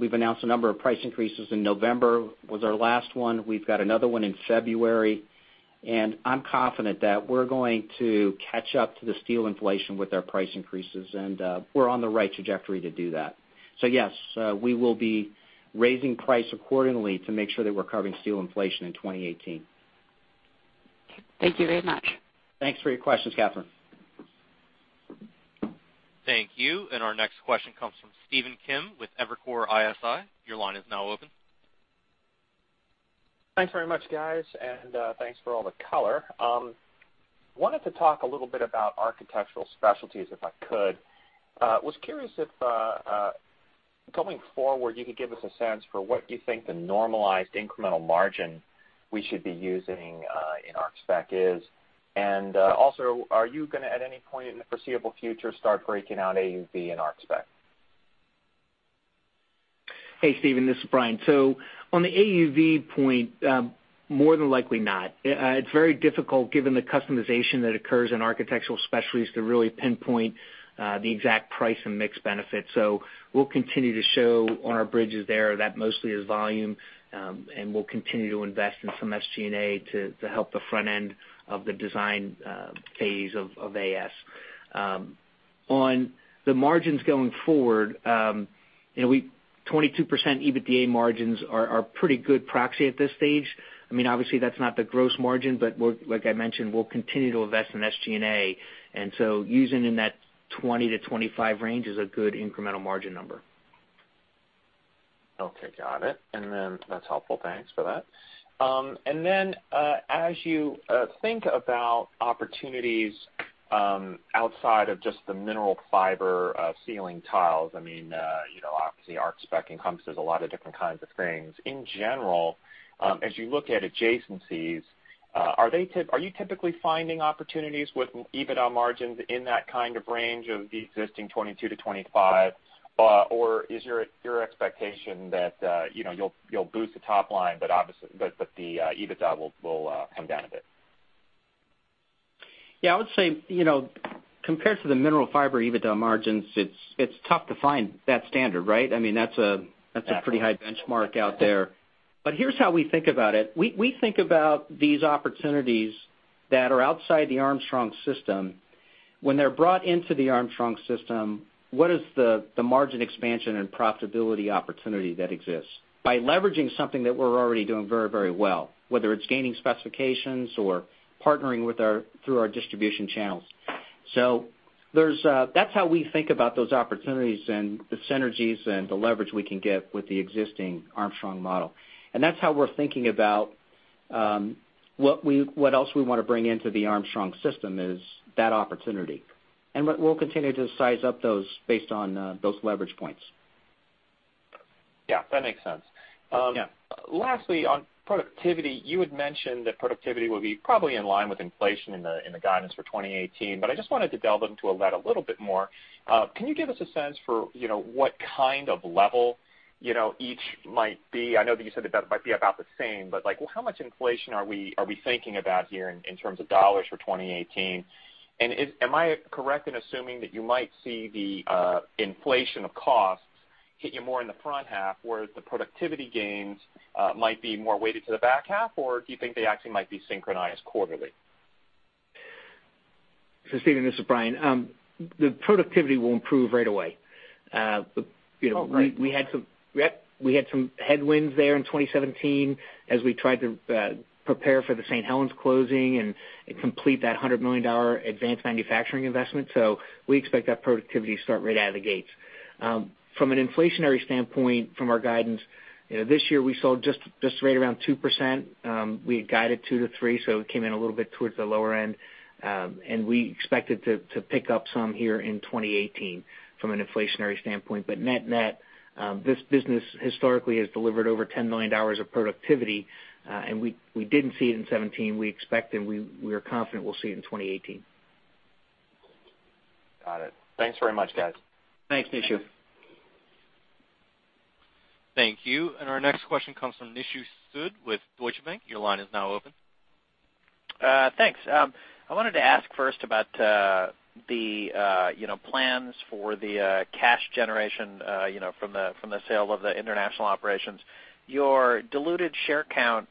we've announced a number of price increases in November, was our last one. We've got another one in February, and I'm confident that we're going to catch up to the steel inflation with our price increases, and we're on the right trajectory to do that. Yes, we will be raising price accordingly to make sure that we're covering steel inflation in 2018. Okay. Thank you very much. Thanks for your question, Kathryn. Thank you. Our next question comes from Stephen Kim with Evercore ISI. Your line is now open. Thanks very much, guys. Thanks for all the color. Wanted to talk a little bit about Architectural Specialties, if I could. Was curious if, going forward, you could give us a sense for what you think the normalized incremental margin we should be using in art spec is. Also, are you going to, at any point in the foreseeable future, start breaking out AUV and art spec? Hey, Stephen, this is Brian. On the AUV point, more than likely not. It's very difficult given the customization that occurs in Architectural Specialties to really pinpoint the exact price and mix benefit. We'll continue to show on our bridges there that mostly is volume, and we'll continue to invest in some SG&A to help the front end of the design phase of AS. On the margins going forward, 22% EBITDA margins are a pretty good proxy at this stage. Obviously, that's not the gross margin, but like I mentioned, we'll continue to invest in some SG&A, using in that 20%-25% range is a good incremental margin number. Okay, got it. That's helpful. Thanks for that. As you think about opportunities outside of just the mineral fiber ceiling tiles, obviously art spec encompasses a lot of different kinds of things. In general, as you look at adjacencies, are you typically finding opportunities with EBITDA margins in that kind of range of the existing 22%-25%? Is your expectation that you'll boost the top line, but the EBITDA will come down a bit? Yeah, I would say, compared to the Mineral Fiber EBITDA margins, it's tough to find that standard, right? That's a pretty high benchmark out there. Here's how we think about it. We think about these opportunities that are outside the Armstrong system. When they're brought into the Armstrong system, what is the margin expansion and profitability opportunity that exists by leveraging something that we're already doing very well, whether it's gaining specifications or partnering through our distribution channels. That's how we think about those opportunities and the synergies and the leverage we can get with the existing Armstrong model. That's how we're thinking about what else we want to bring into the Armstrong system is that opportunity. We'll continue to size up those based on those leverage points. Yeah, that makes sense. Yeah. Lastly, on productivity, you had mentioned that productivity will be probably in line with inflation in the guidance for 2018. I just wanted to delve into that a little bit more. Can you give us a sense for what kind of level each might be? I know that you said that might be about the same, but how much inflation are we thinking about here in terms of dollars for 2018? Am I correct in assuming that you might see the inflation of costs hit you more in the front half, whereas the productivity gains might be more weighted to the back half, or do you think they actually might be synchronized quarterly? Stephen, this is Brian. The productivity will improve right away. Oh, right. We had some headwinds there in 2017 as we tried to prepare for the St. Helens closing and complete that $100 million advanced manufacturing investment. We expect that productivity to start right out of the gates. From an inflationary standpoint, from our guidance, this year we sold just right around 2%. We had guided 2%-3%, so it came in a little bit towards the lower end. We expected to pick up some here in 2018 from an inflationary standpoint. Net, this business historically has delivered over $10 million of productivity. We didn't see it in 2017. We expect and we are confident we'll see it in 2018. Got it. Thanks very much, guys. Thanks, Nishu. Thank you. Our next question comes from Nishu Sood with Deutsche Bank. Your line is now open. Thanks. I wanted to ask first about the plans for the cash generation from the sale of the international operations. Your diluted share count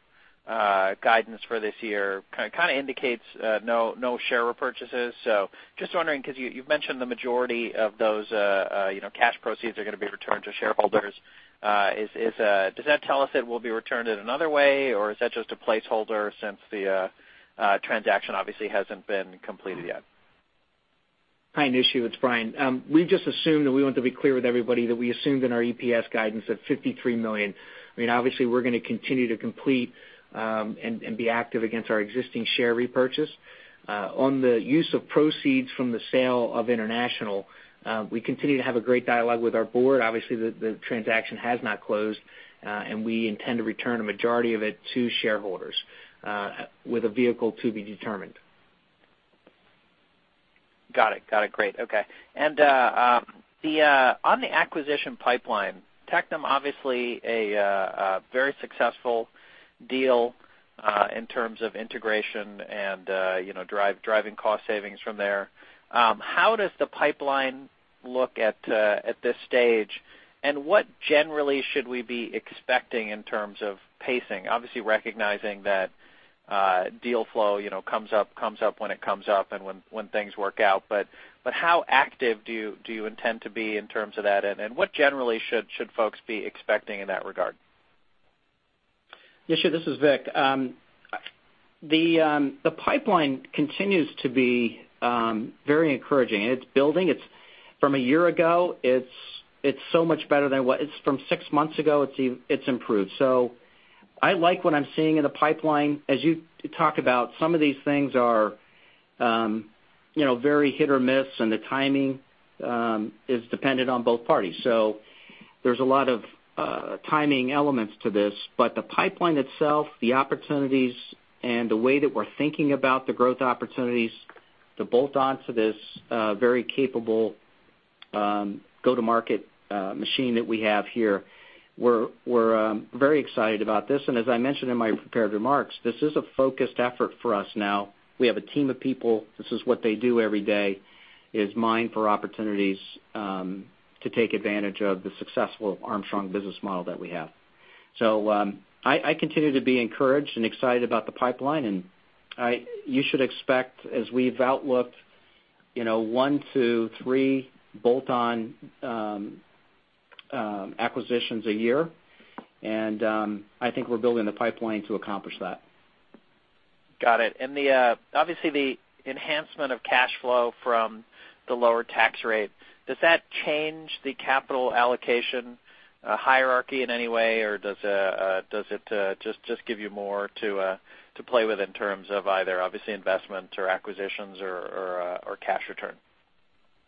guidance for this year kind of indicates no share repurchases. Just wondering, because you've mentioned the majority of those cash proceeds are going to be returned to shareholders. Does that tell us it will be returned in another way, or is that just a placeholder since the transaction obviously hasn't been completed yet? Hi, Nishu, it's Brian. We just assumed, and we want to be clear with everybody, that we assumed in our EPS guidance of $53 million. Obviously, we're going to continue to complete and be active against our existing share repurchase. On the use of proceeds from the sale of international, we continue to have a great dialogue with our board. Obviously, the transaction has not closed, and we intend to return a majority of it to shareholders, with a vehicle to be determined. Got it. Great. Okay. On the acquisition pipeline, Tectum obviously a very successful deal in terms of integration and driving cost savings from there. How does the pipeline look at this stage, and what generally should we be expecting in terms of pacing? Obviously recognizing that deal flow comes up when it comes up and when things work out, how active do you intend to be in terms of that, and what generally should folks be expecting in that regard? Nishu, this is Vic. The pipeline continues to be very encouraging, it's building. From a year ago, it's so much better than from six months ago, it's improved. I like what I'm seeing in the pipeline. As you talk about, some of these things are very hit or miss, the timing is dependent on both parties. There's a lot of timing elements to this. The pipeline itself, the opportunities, and the way that we're thinking about the growth opportunities to bolt on to this very capable go-to-market machine that we have here, we're very excited about this. As I mentioned in my prepared remarks, this is a focused effort for us now. We have a team of people. This is what they do every day, is mine for opportunities to take advantage of the successful Armstrong business model that we have. I continue to be encouraged and excited about the pipeline, you should expect, as we've outlooked, 1 to 3 bolt-on acquisitions a year, I think we're building the pipeline to accomplish that. Got it. Obviously, the enhancement of cash flow from the lower tax rate, does that change the capital allocation hierarchy in any way, does it just give you more to play with in terms of either, obviously, investment or acquisitions or cash return?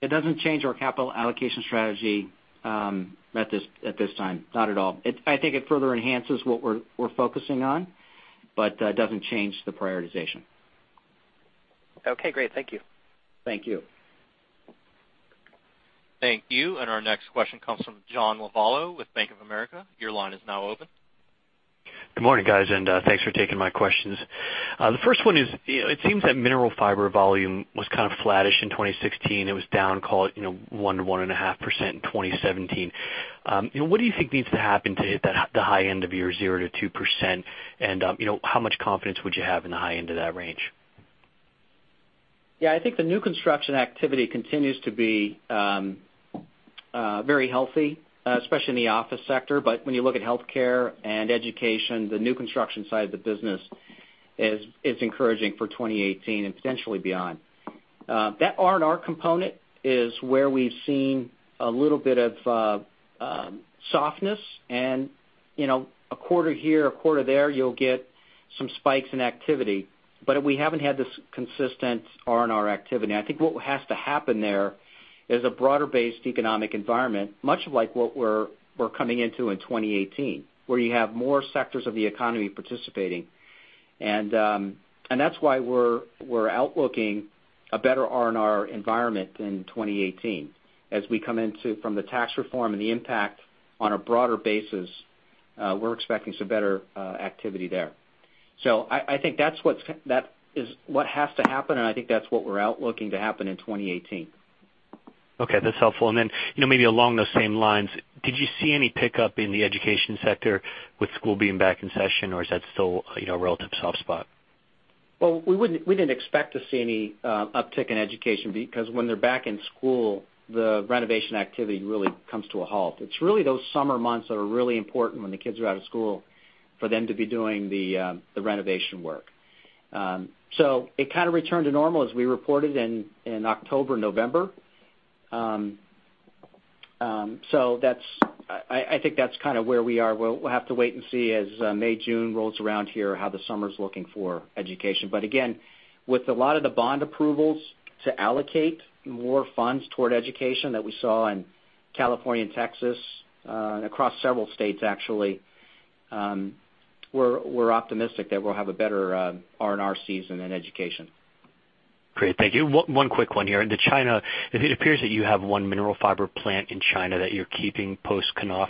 It doesn't change our capital allocation strategy at this time. Not at all. I think it further enhances what we're focusing on, but doesn't change the prioritization. Okay, great. Thank you. Thank you. Thank you. Our next question comes from John Lovallo with Bank of America. Your line is now open. Good morning, guys, and thanks for taking my questions. The first one is, it seems that Mineral Fiber volume was kind of flattish in 2016. It was down, call it, 1%-1.5% in 2017. What do you think needs to happen to hit the high end of your 0%-2%, and how much confidence would you have in the high end of that range? I think the new construction activity continues to be very healthy, especially in the office sector. When you look at healthcare and education, the new construction side of the business is encouraging for 2018 and potentially beyond. That R&R component is where we've seen a little bit of softness and, a quarter here, a quarter there, you'll get some spikes in activity. We haven't had this consistent R&R activity. I think what has to happen there is a broader-based economic environment, much like what we're coming into in 2018, where you have more sectors of the economy participating. That's why we're outlooking a better R&R environment in 2018. As we come into from the tax reform and the impact on a broader basis, we're expecting some better activity there. I think that is what has to happen, and I think that's what we're outlooking to happen in 2018. Okay, that's helpful. Maybe along those same lines, did you see any pickup in the education sector with school being back in session, or is that still a relative soft spot? We didn't expect to see any uptick in education because when they're back in school, the renovation activity really comes to a halt. It's really those summer months that are really important when the kids are out of school for them to be doing the renovation work. It kind of returned to normal as we reported in October, November. I think that's kind of where we are. We'll have to wait and see as May, June rolls around here, how the summer's looking for education. Again, with a lot of the bond approvals to allocate more funds toward education that we saw in California and Texas, and across several states, actually, we're optimistic that we'll have a better R&R season in education. Great. Thank you. One quick one here. Into China. It appears that you have one mineral fiber plant in China that you're keeping post-Knauf.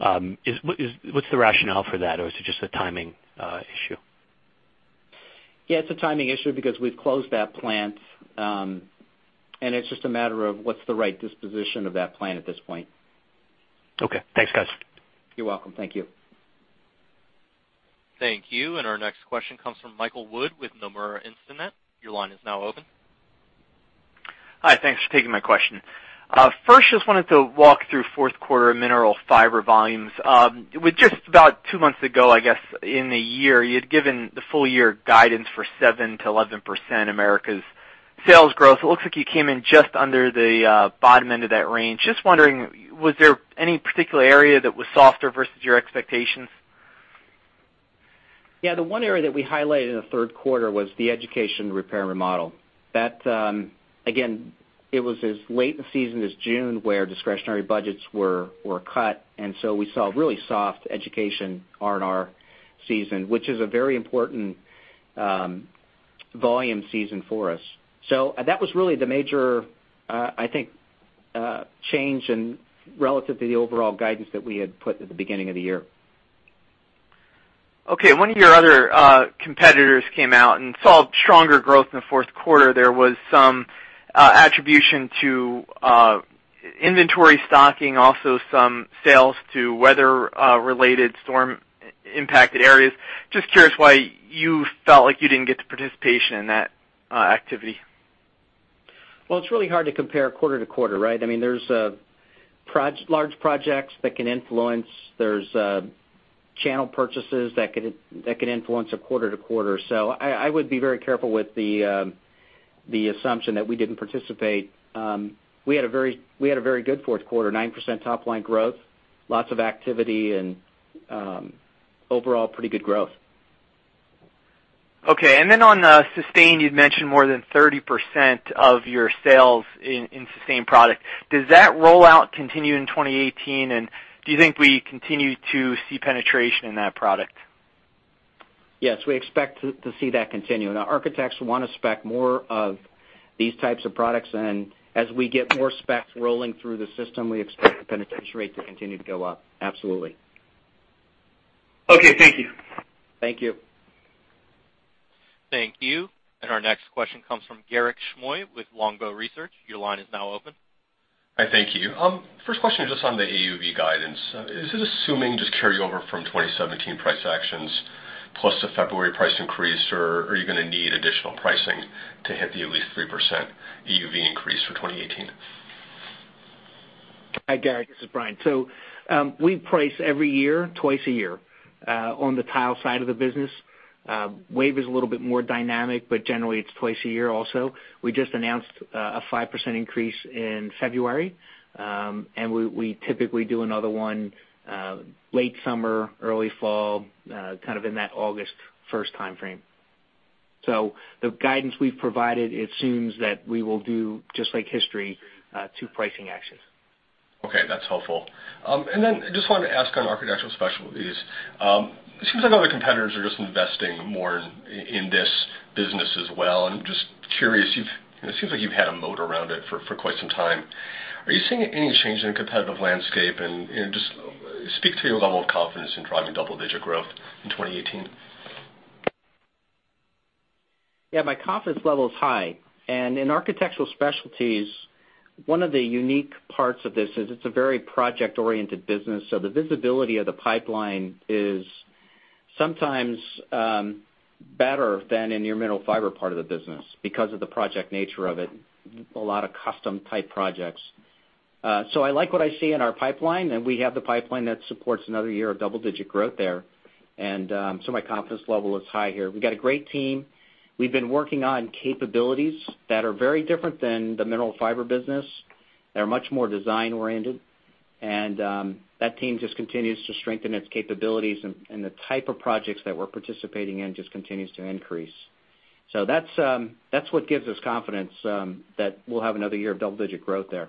What's the rationale for that, or is it just a timing issue? It's a timing issue because we've closed that plant, and it's just a matter of what's the right disposition of that plant at this point. Thanks, guys. You're welcome. Thank you. Thank you. Our next question comes from Michael Wood with Nomura Instinet. Your line is now open. Hi. Thanks for taking my question. First, just wanted to walk through fourth quarter mineral fiber volumes. With just about two months ago, I guess, in the year, you had given the full year guidance for 7%-11% Americas sales growth. It looks like you came in just under the bottom end of that range. Just wondering, was there any particular area that was softer versus your expectations? Yeah, the one area that we highlighted in the third quarter was the education repair and remodel. That, again, it was as late in the season as June, where discretionary budgets were cut, so we saw a really soft education R&R season, which is a very important volume season for us. That was really the major, I think, change in relative to the overall guidance that we had put at the beginning of the year. Okay. One of your other competitors came out and saw stronger growth in the fourth quarter. There was some attribution to inventory stocking, also some sales to weather-related storm-impacted areas. Just curious why you felt like you didn't get the participation in that activity. Well, it's really hard to compare quarter to quarter, right? There's large projects that can influence. There's channel purchases that can influence a quarter to quarter. I would be very careful with the assumption that we didn't participate. We had a very good fourth quarter, 9% top-line growth, lots of activity, and overall pretty good growth. Okay. On SUSTAIN, you'd mentioned more than 30% of your sales in SUSTAIN product. Does that rollout continue in 2018? Do you think we continue to see penetration in that product? Yes, we expect to see that continue. Now, architects want to spec more of these types of products. As we get more specs rolling through the system, we expect the penetration rate to continue to go up. Absolutely. Okay. Thank you. Thank you. Thank you. Our next question comes from Garik Shmois with Longbow Research. Your line is now open. Hi. Thank you. First question is just on the AUV guidance. Is it assuming just carryover from 2017 price actions plus the February price increase, or are you going to need additional pricing to hit the at least 3% AUV increase for 2018? Hi, Garik. This is Brian. We price every year, twice a year. On the tile side of the business, WAVE is a little bit more dynamic, but generally it's twice a year also. We just announced a 5% increase in February, and we typically do another one late summer, early fall, kind of in that August 1st timeframe. The guidance we've provided assumes that we will do, just like history, two pricing actions. That's helpful. I just wanted to ask on Architectural Specialties. It seems like all the competitors are just investing more in this business as well, and I'm just curious. It seems like you've had a moat around it for quite some time. Are you seeing any change in the competitive landscape, and just speak to your level of confidence in driving double-digit growth in 2018. My confidence level is high. In Architectural Specialties, one of the unique parts of this is it's a very project-oriented business, so the visibility of the pipeline is sometimes better than in your Mineral Fiber part of the business because of the project nature of it, a lot of custom-type projects. I like what I see in our pipeline, and we have the pipeline that supports another year of double-digit growth there. My confidence level is high here. We've got a great team. We've been working on capabilities that are very different than the Mineral Fiber business. They're much more design-oriented, and that team just continues to strengthen its capabilities, and the type of projects that we're participating in just continues to increase. That's what gives us confidence that we'll have another year of double-digit growth there.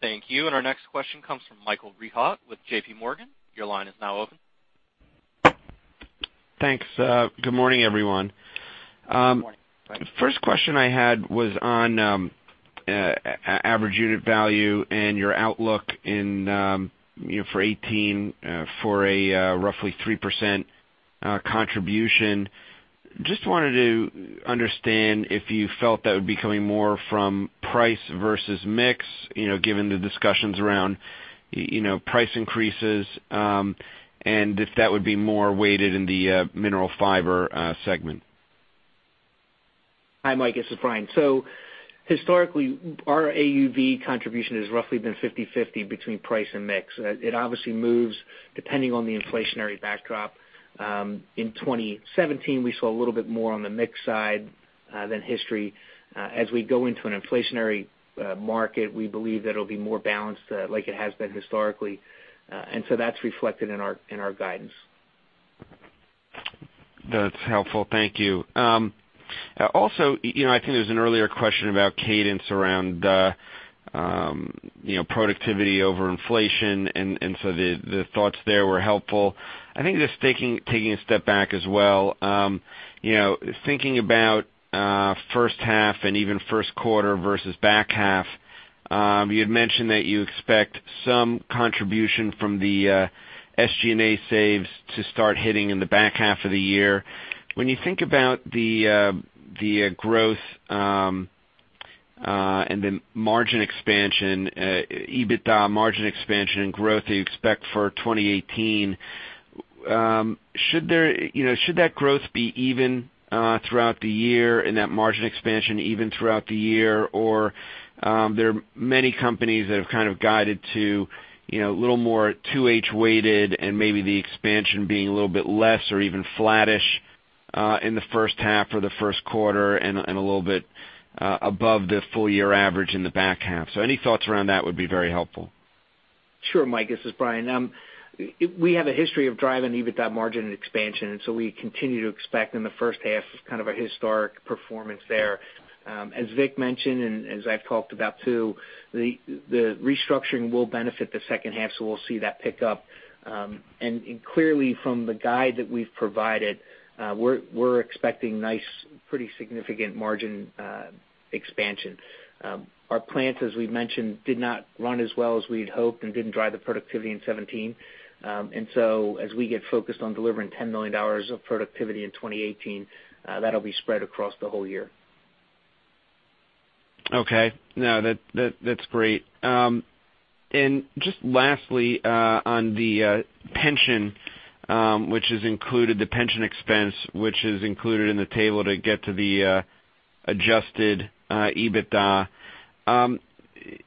Thank you. Our next question comes from Michael Rehaut with J.P. Morgan. Your line is now open. Thanks. Good morning, everyone. Good morning. First question I had was on average unit value and your outlook for 2018 for a roughly 3% contribution. Just wanted to understand if you felt that would be coming more from price versus mix, given the discussions around price increases, and if that would be more weighted in the Mineral Fiber segment? Hi, Mike, this is Brian. Historically, our AUV contribution has roughly been 50/50 between price and mix. It obviously moves depending on the inflationary backdrop. In 2017, we saw a little bit more on the mix side than history. As we go into an inflationary market, we believe that it'll be more balanced like it has been historically. That's reflected in our guidance. That's helpful. Thank you. Also, there was an earlier question about cadence around productivity over inflation, the thoughts there were helpful. Taking a step back as well, thinking about first half and even first quarter versus back half, you had mentioned that you expect some contribution from the SG&A saves to start hitting in the back half of the year. When you think about the growth and the EBITDA margin expansion and growth that you expect for 2018, should that growth be even throughout the year and that margin expansion even throughout the year? There are many companies that have guided to a little more 2H weighted and maybe the expansion being a little bit less or even flattish in the first half or the first quarter and a little bit above the full year average in the back half. Any thoughts around that would be very helpful. Sure, Mike, this is Brian. We have a history of driving EBITDA margin expansion, we continue to expect in the first half kind of a historic performance there. As Vic mentioned, as I've talked about too, the restructuring will benefit the second half, we'll see that pick up. Clearly from the guide that we've provided, we're expecting nice, pretty significant margin expansion. Our plants, as we mentioned, did not run as well as we'd hoped and didn't drive the productivity in 2017. As we get focused on delivering $10 million of productivity in 2018, that'll be spread across the whole year. Okay. No, that's great. Just lastly, on the pension expense, which is included in the table to get to the adjusted EBITDA.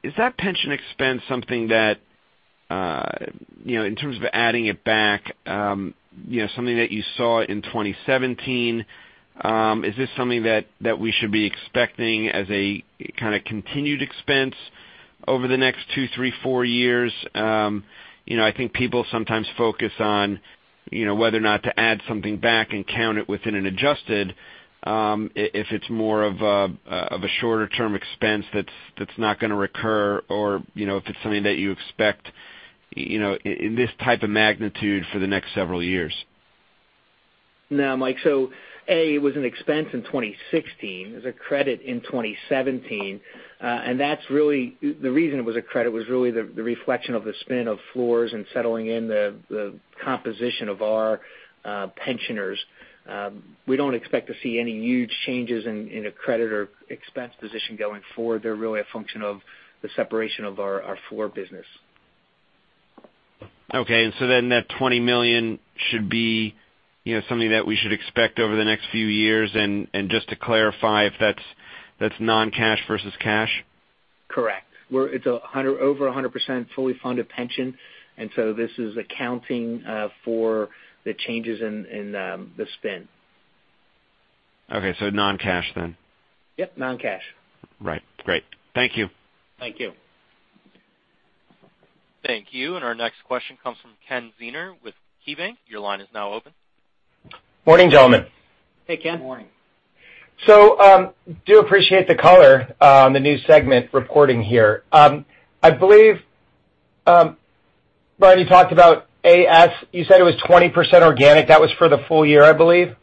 Is that pension expense something that, in terms of adding it back, something that you saw in 2017? Is this something that we should be expecting as a kind of continued expense over the next two, three, four years? People sometimes focus on whether or not to add something back and count it within an adjusted, if it's more of a shorter-term expense that's not going to recur, or if it's something that you expect, in this type of magnitude for the next several years. No, Mike. A, it was an expense in 2016. It was a credit in 2017. The reason it was a credit was really the reflection of the spin of floors and settling in the composition of our pensioners. We don't expect to see any huge changes in a credit or expense position going forward. They're really a function of the separation of our floor business. That $20 million should be something that we should expect over the next few years. Just to clarify, if that's non-cash versus cash? Correct. It's over 100% fully funded pension, this is accounting for the changes in the spin. Non-cash then. Yep, non-cash. Right. Great. Thank you. Thank you. Thank you. Our next question comes from Ken Zener with KeyBanc. Your line is now open. Morning, gentlemen. Hey, Ken. Morning. Do appreciate the color on the new segment reporting here. I believe, Brian, you talked about AS, you said it was 20% organic. That was for the full year, I believe?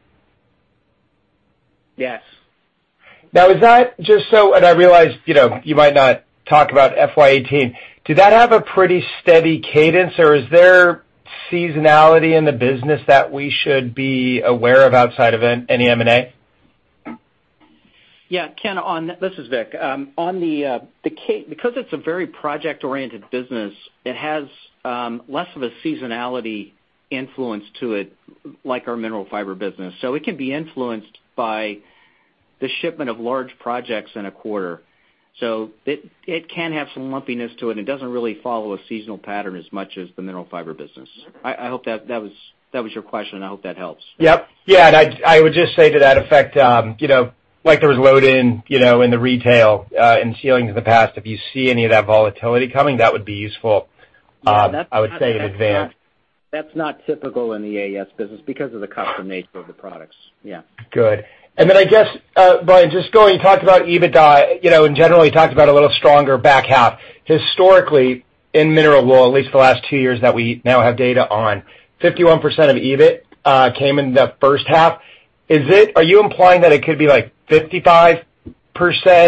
Yes. Now is that just so, and I realize you might not talk about FY 2018, did that have a pretty steady cadence or is there seasonality in the business that we should be aware of outside of any M&A? Ken, this is Vic. Because it's a very project-oriented business, it has less of a seasonality influence to it like our Mineral Fiber business. It can be influenced by the shipment of large projects in a quarter. It can have some lumpiness to it, and it doesn't really follow a seasonal pattern as much as the Mineral Fiber business. I hope that was your question, and I hope that helps. Yep. I would just say to that effect, like there was load-in in the retail and Ceilings in the past, if you see any of that volatility coming, that would be useful. I would say in advance. That's not typical in the AS business because of the custom nature of the products. Yeah. Good. I guess, Brian, just going, you talked about EBITDA, in general, you talked about a little stronger back half. Historically, in mineral wool, at least the last two years that we now have data on, 51% of EBIT came in the first half. Are you implying that it could be 55%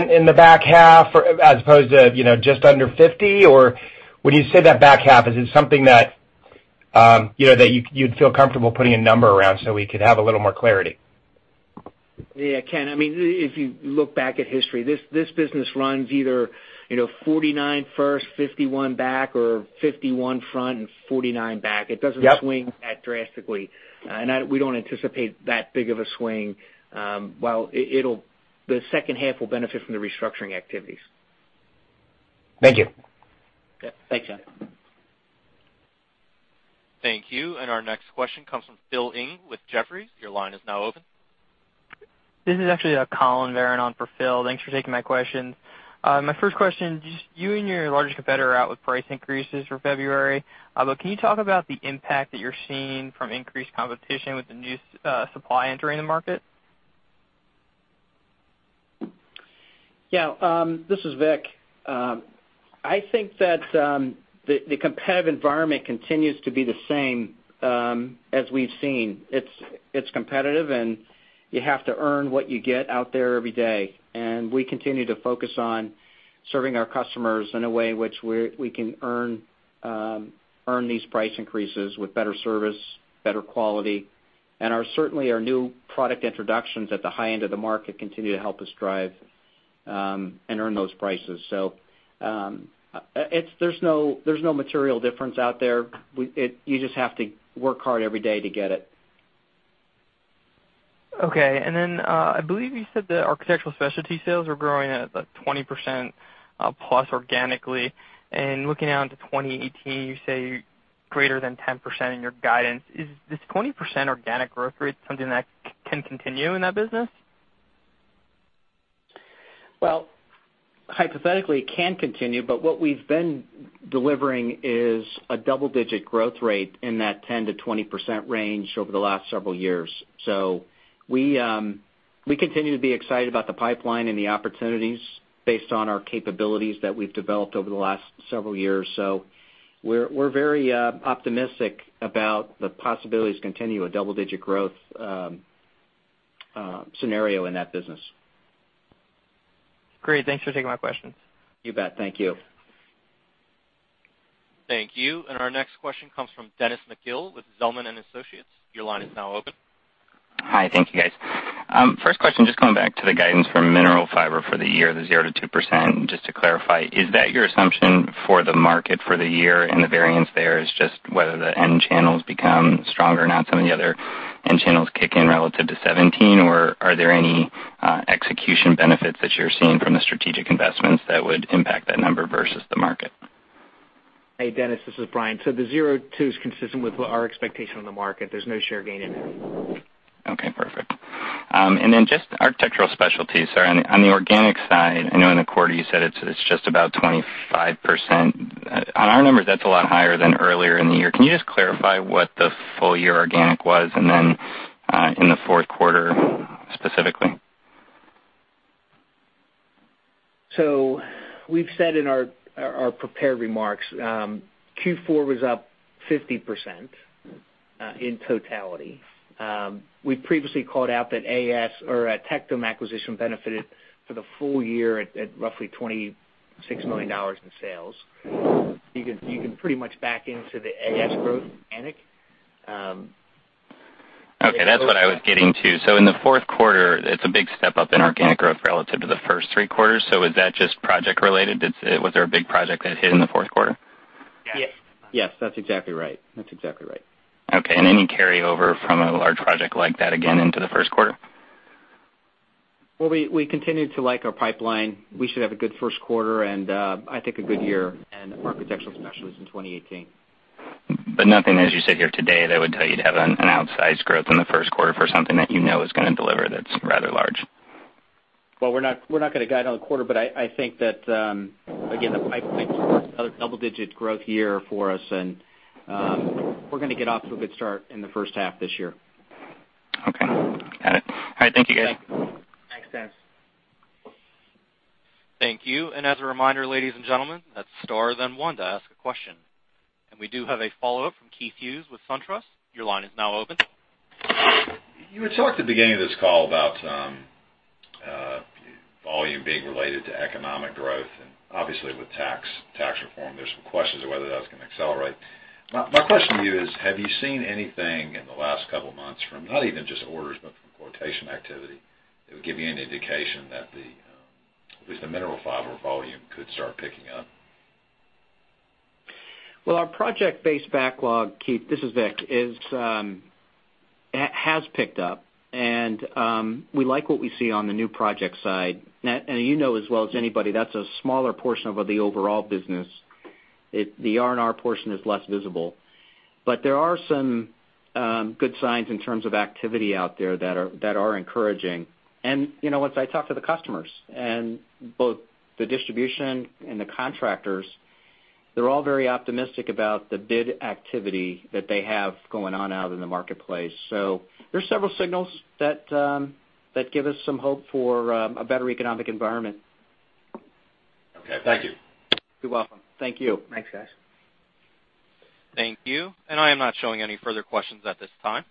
in the back half as opposed to just under 50%? When you say that back half, is it something that you'd feel comfortable putting a number around so we could have a little more clarity? Yeah. Ken, if you look back at history, this business runs either 49 first, 51 back, or 51 front and 49 back. Yep. It doesn't swing that drastically. We don't anticipate that big of a swing. The second half will benefit from the restructuring activities. Thank you. Okay. Thanks, Ken. Thank you. Our next question comes from Phil Ng with Jefferies. Your line is now open. This is actually Collin Verron on for Phil. Thanks for taking my questions. My first question, you and your largest competitor are out with price increases for February. Can you talk about the impact that you're seeing from increased competition with the new supply entering the market? Yeah. This is Vic. I think that the competitive environment continues to be the same as we've seen. It's competitive, and you have to earn what you get out there every day. We continue to focus on serving our customers in a way in which we can earn these price increases with better service, better quality, and certainly our new product introductions at the high end of the market continue to help us drive and earn those prices. There's no material difference out there. You just have to work hard every day to get it. Okay, I believe you said that Architectural Specialties sales are growing at, like, 20%+ organically. Looking out into 2018, you say greater than 10% in your guidance. Is this 20% organic growth rate something that can continue in that business? Well, hypothetically, it can continue, what we've been delivering is a double-digit growth rate in that 10%-20% range over the last several years. We continue to be excited about the pipeline and the opportunities based on our capabilities that we've developed over the last several years. We're very optimistic about the possibilities to continue a double-digit growth scenario in that business. Great. Thanks for taking my questions. You bet. Thank you. Thank you. Our next question comes from Dennis McGill with Zelman & Associates. Your line is now open. Hi. Thank you, guys. First question, just coming back to the guidance from Mineral Fiber for the year, the 0%-2%. Just to clarify, is that your assumption for the market for the year, and the variance there is just whether the end channels become stronger or not, some of the other end channels kick in relative to 2017? Are there any execution benefits that you're seeing from the strategic investments that would impact that number versus the market? Hey, Dennis, this is Brian. The 0-2 is consistent with our expectation on the market. There's no share gain in it. Okay, perfect. Just Architectural Specialties. On the organic side, I know in the quarter you said it's just about 25%. On our numbers, that's a lot higher than earlier in the year. Can you just clarify what the full-year organic was, and then in the fourth quarter specifically? We've said in our prepared remarks, Q4 was up 50% in totality. We previously called out that AS or Tectum acquisition benefited for the full year at roughly $26 million in sales. You can pretty much back into the AS growth organic. Okay. That's what I was getting to. In the fourth quarter, it's a big step up in organic growth relative to the first three quarters. Is that just project related? Was there a big project that hit in the fourth quarter? Yes, that's exactly right. Okay. Any carryover from a large project like that again into the first quarter? Well, we continue to like our pipeline. We should have a good first quarter and I think a good year in Architectural Specialties in 2018. Nothing, as you sit here today, that would tell you to have an outsized growth in the first quarter for something that you know is going to deliver that's rather large? Well, we're not going to guide on the quarter, but I think that, again, the pipeline supports another double-digit growth year for us, and we're going to get off to a good start in the first half this year. Okay. Got it. All right. Thank you, guys. Thanks, Dennis. Thank you. As a reminder, ladies and gentlemen, that's star then one to ask a question. We do have a follow-up from Keith Hughes with SunTrust. Your line is now open. You had talked at the beginning of this call about volume being related to economic growth. Obviously with tax reform, there's some questions of whether that's going to accelerate. My question to you is, have you seen anything in the last couple of months from not even just orders, but from quotation activity that would give you any indication that at least the Mineral Fiber volume could start picking up? Well, our project-based backlog, Keith, this is Vic, has picked up. We like what we see on the new project side. You know as well as anybody, that's a smaller portion of the overall business. The R&R portion is less visible. There are some good signs in terms of activity out there that are encouraging. As I talk to the customers and both the distribution and the contractors, they're all very optimistic about the bid activity that they have going on out in the marketplace. There's several signals that give us some hope for a better economic environment. Okay. Thank you. You're welcome. Thank you. Thanks, guys. Thank you. I am not showing any further questions at this time.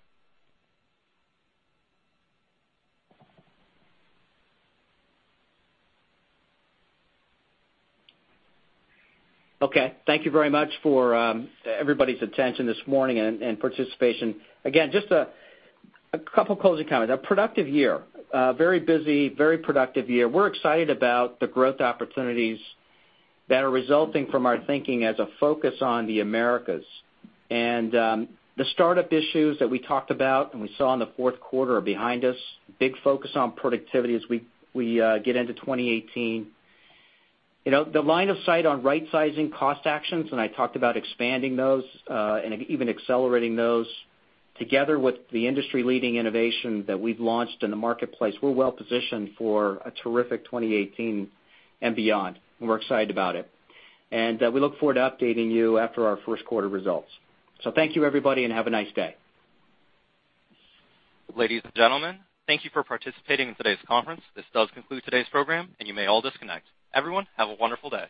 Okay. Thank you very much for everybody's attention this morning and participation. Just a couple closing comments. A productive year. A very busy, very productive year. We're excited about the growth opportunities that are resulting from our thinking as a focus on the Americas. The startup issues that we talked about and we saw in the fourth quarter are behind us. Big focus on productivity as we get into 2018. The line of sight on rightsizing cost actions, I talked about expanding those and even accelerating those together with the industry-leading innovation that we've launched in the marketplace. We're well-positioned for a terrific 2018 and beyond, we're excited about it. We look forward to updating you after our first quarter results. Thank you, everybody, and have a nice day. Ladies and gentlemen, thank you for participating in today's conference. This does conclude today's program, you may all disconnect. Everyone, have a wonderful day.